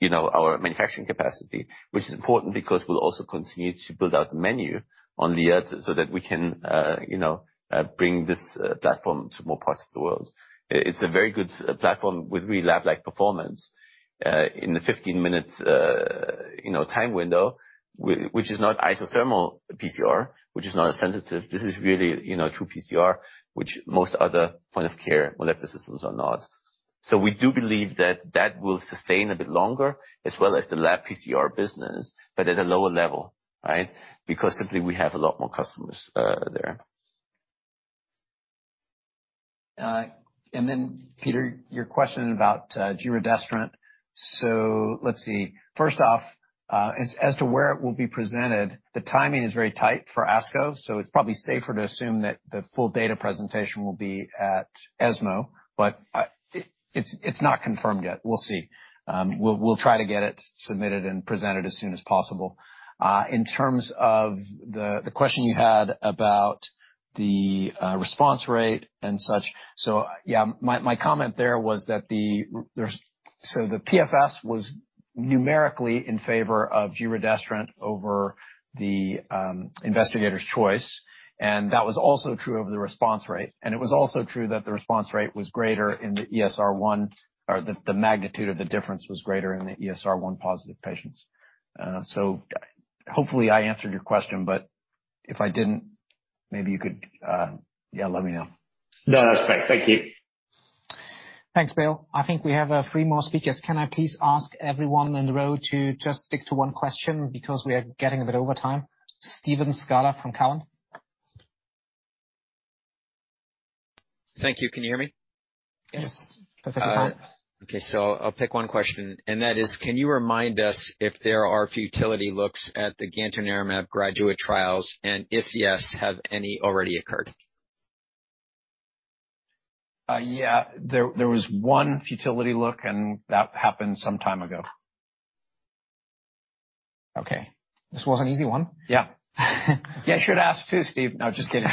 you know, our manufacturing capacity, which is important because we'll also continue to build out the menu on Liat so that we can, you know, bring this platform to more parts of the world. It's a very good platform with really lab-like performance in the 15 minutes, you know, time window which is not isothermal PCR, which is not as sensitive. This is really, you know, true PCR, which most other Point of Care molecular systems are not. We do believe that will sustain a bit longer as well as the lab PCR business, but at a lower level, right? Because simply we have a lot more customers there. Peter, your question about giredestrant. Let's see. First off, as to where it will be presented, the timing is very tight for ASCO, so it's probably safer to assume that the full data presentation will be at ESMO. It's not confirmed yet. We'll see. We'll try to get it submitted and presented as soon as possible. In terms of the question you had about the response rate and such. Yeah, my comment there was that the PFS was numerically in favor of giredestrant over the investigator's choice, and that was also true over the response rate. It was also true that the response rate was greater in the ESR1, or the magnitude of the difference was greater in the ESR1 positive patients. Hopefully I answered your question, but if I didn't, maybe you could, yeah, let me know. No, that's great. Thank you. Thanks, Bill. I think we have three more speakers. Can I please ask everyone on the line to just stick to one question because we are getting a bit over time. Stephen Scala from Cowen. Thank you. Can you hear me? Yes. Perfect. Okay. I'll pick one question, and that is, can you remind us if there are futility looks at the gantenerumab GRADUATE trials, and if yes, have any already occurred? Yeah. There was one futility look, and that happened some time ago. Okay. This was an easy one. Yeah. Yeah, you should ask two, Steve. No, just kidding.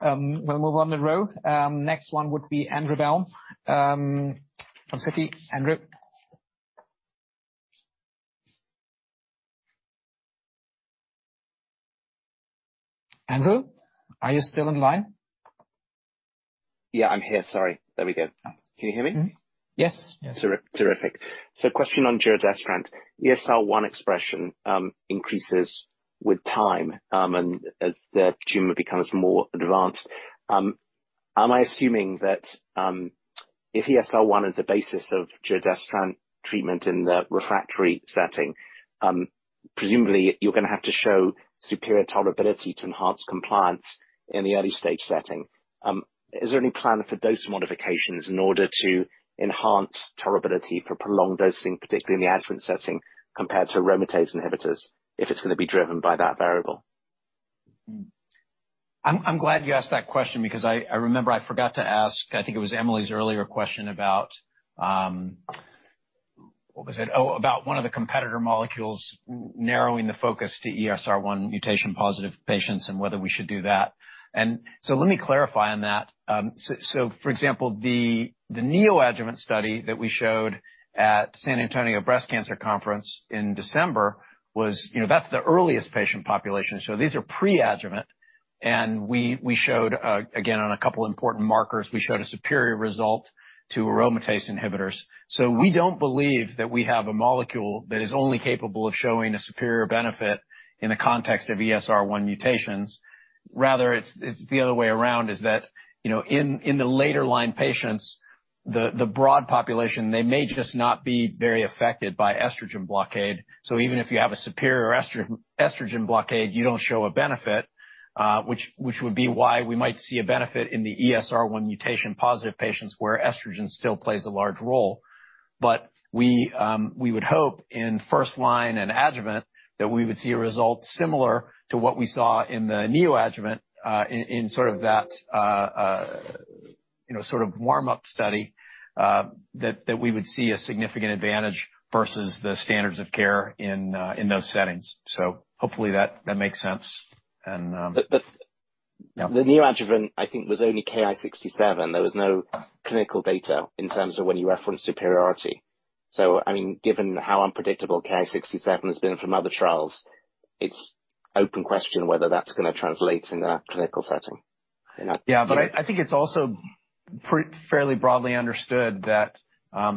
We'll move on to the next. Next one would be Andrew Baum from Citi. Andrew? Andrew, are you still in line? Yeah, I'm here. Sorry. There we go. Can you hear me? Mm-hmm. Yes. Terrific. Question on giredestrant. ESR1 expression increases with time and as the tumor becomes more advanced. Am I assuming that if ESR1 is the basis of giredestrant treatment in the refractory setting, presumably you're gonna have to show superior tolerability to enhance compliance in the early-stage setting. Is there any plan for dose modifications in order to enhance tolerability for prolonged dosing, particularly in the adjuvant setting, compared to aromatase inhibitors if it's gonna be driven by that variable? I'm glad you asked that question because I remember I forgot to ask, I think it was Emily's earlier question about, what was it? Oh, about one of the competitor molecules narrowing the focus to ESR1 mutation-positive patients and whether we should do that. Let me clarify on that. For example, the neoadjuvant study that we showed at San Antonio Breast Cancer Symposium in December was, you know, that's the earliest patient population. These are pre-adjuvant, and we showed, again, on a couple important markers, we showed a superior result to aromatase inhibitors. We don't believe that we have a molecule that is only capable of showing a superior benefit in the context of ESR1 mutations. Rather, it's the other way around is that, you know, in the later line patients, the broad population, they may just not be very affected by estrogen blockade. So even if you have a superior estrogen blockade, you don't show a benefit, which would be why we might see a benefit in the ESR1 mutation-positive patients where estrogen still plays a large role. But we would hope in first line and adjuvant that we would see a result similar to what we saw in the neoadjuvant, in sort of that, you know, sort of warm-up study, that we would see a significant advantage versus the standards of care in those settings. So hopefully that makes sense. And– But, but- Yeah. The neoadjuvant, I think, was only KI67. There was no clinical data in terms of when you referenced superiority. I mean, given how unpredictable KI67 has been from other trials, it's open question whether that's gonna translate in a clinical setting, you know? Yeah. I think it's also fairly broadly understood that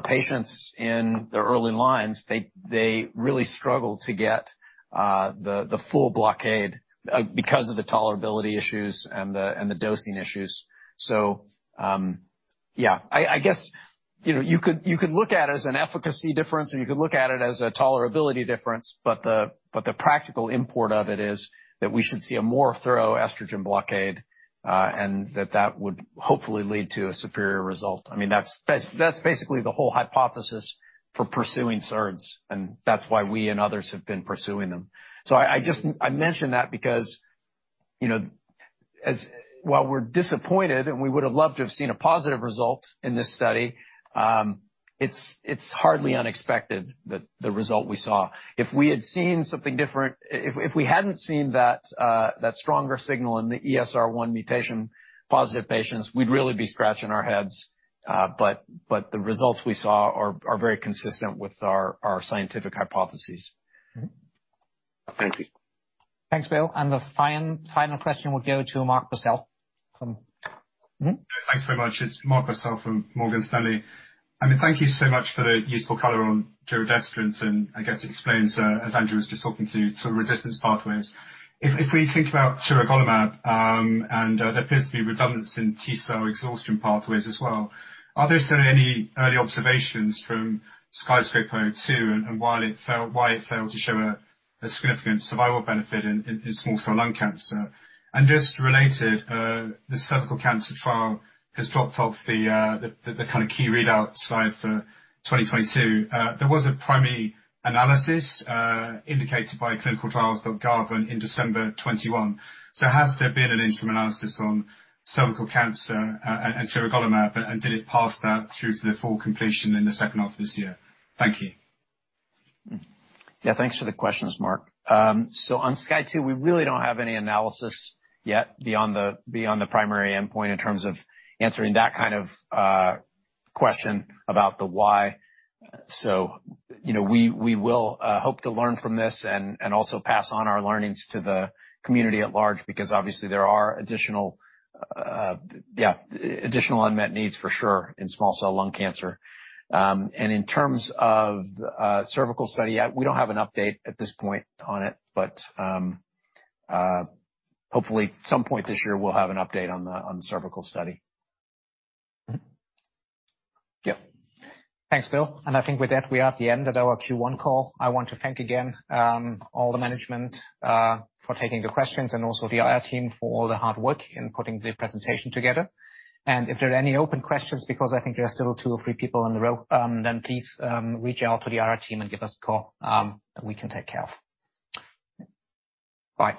patients in the early lines, they really struggle to get the full blockade because of the tolerability issues and the dosing issues. Yeah, I guess, you know, you could look at it as an efficacy difference, or you could look at it as a tolerability difference, but the practical import of it is that we should see a more thorough estrogen blockade, and that would hopefully lead to a superior result. I mean, that's basically the whole hypothesis for pursuing SERDs, and that's why we and others have been pursuing them. I just... I mention that because, you know, while we're disappointed, and we would've loved to have seen a positive result in this study, it's hardly unexpected that the result we saw. If we had seen something different, if we hadn't seen that stronger signal in the ESR1 mutation-positive patients, we'd really be scratching our heads. The results we saw are very consistent with our scientific hypotheses. Mm-hmm. Thank you. Thanks, Bill. The final question will go to Mark Purcell from... Thanks very much. It's Mark Purcell from Morgan Stanley. I mean, thank you so much for the useful color on giredestrant, and I guess it explains, as Andrew was just talking through sort of resistance pathways. If we think about tiragolumab, and there appears to be redundancy in T-cell exhaustion pathways as well, are there still any early observations from SKYSCRAPER-02 and, while it failed, why it failed to show a significant survival benefit in small cell lung cancer? And just related, the cervical cancer trial has dropped off the kind of key readout slide for 2022. There was a primary analysis indicated by ClinicalTrials.gov in December 2021. Has there been an interim analysis on cervical cancer at tiragolumab, and did it pass that through to the full completion in the second half of this year? Thank you. Yeah. Thanks for the questions, Mark. On SKYSCRAPER-02, we really don't have any analysis yet beyond the primary endpoint in terms of answering that kind of question about the why. You know, we will hope to learn from this and also pass on our learnings to the community at large because obviously there are additional unmet needs for sure in small cell lung cancer. In terms of cervical study, we don't have an update at this point on it, but hopefully at some point this year we'll have an update on the cervical study. Yeah. Thanks, Bill. I think with that we are at the end of our Q1 call. I want to thank again, all the management, for taking the questions and also the IR team for all the hard work in putting the presentation together. If there are any open questions, because I think there are still two or three people on the road, then please, reach out to the IR team and give us a call, and we can take care of. Bye.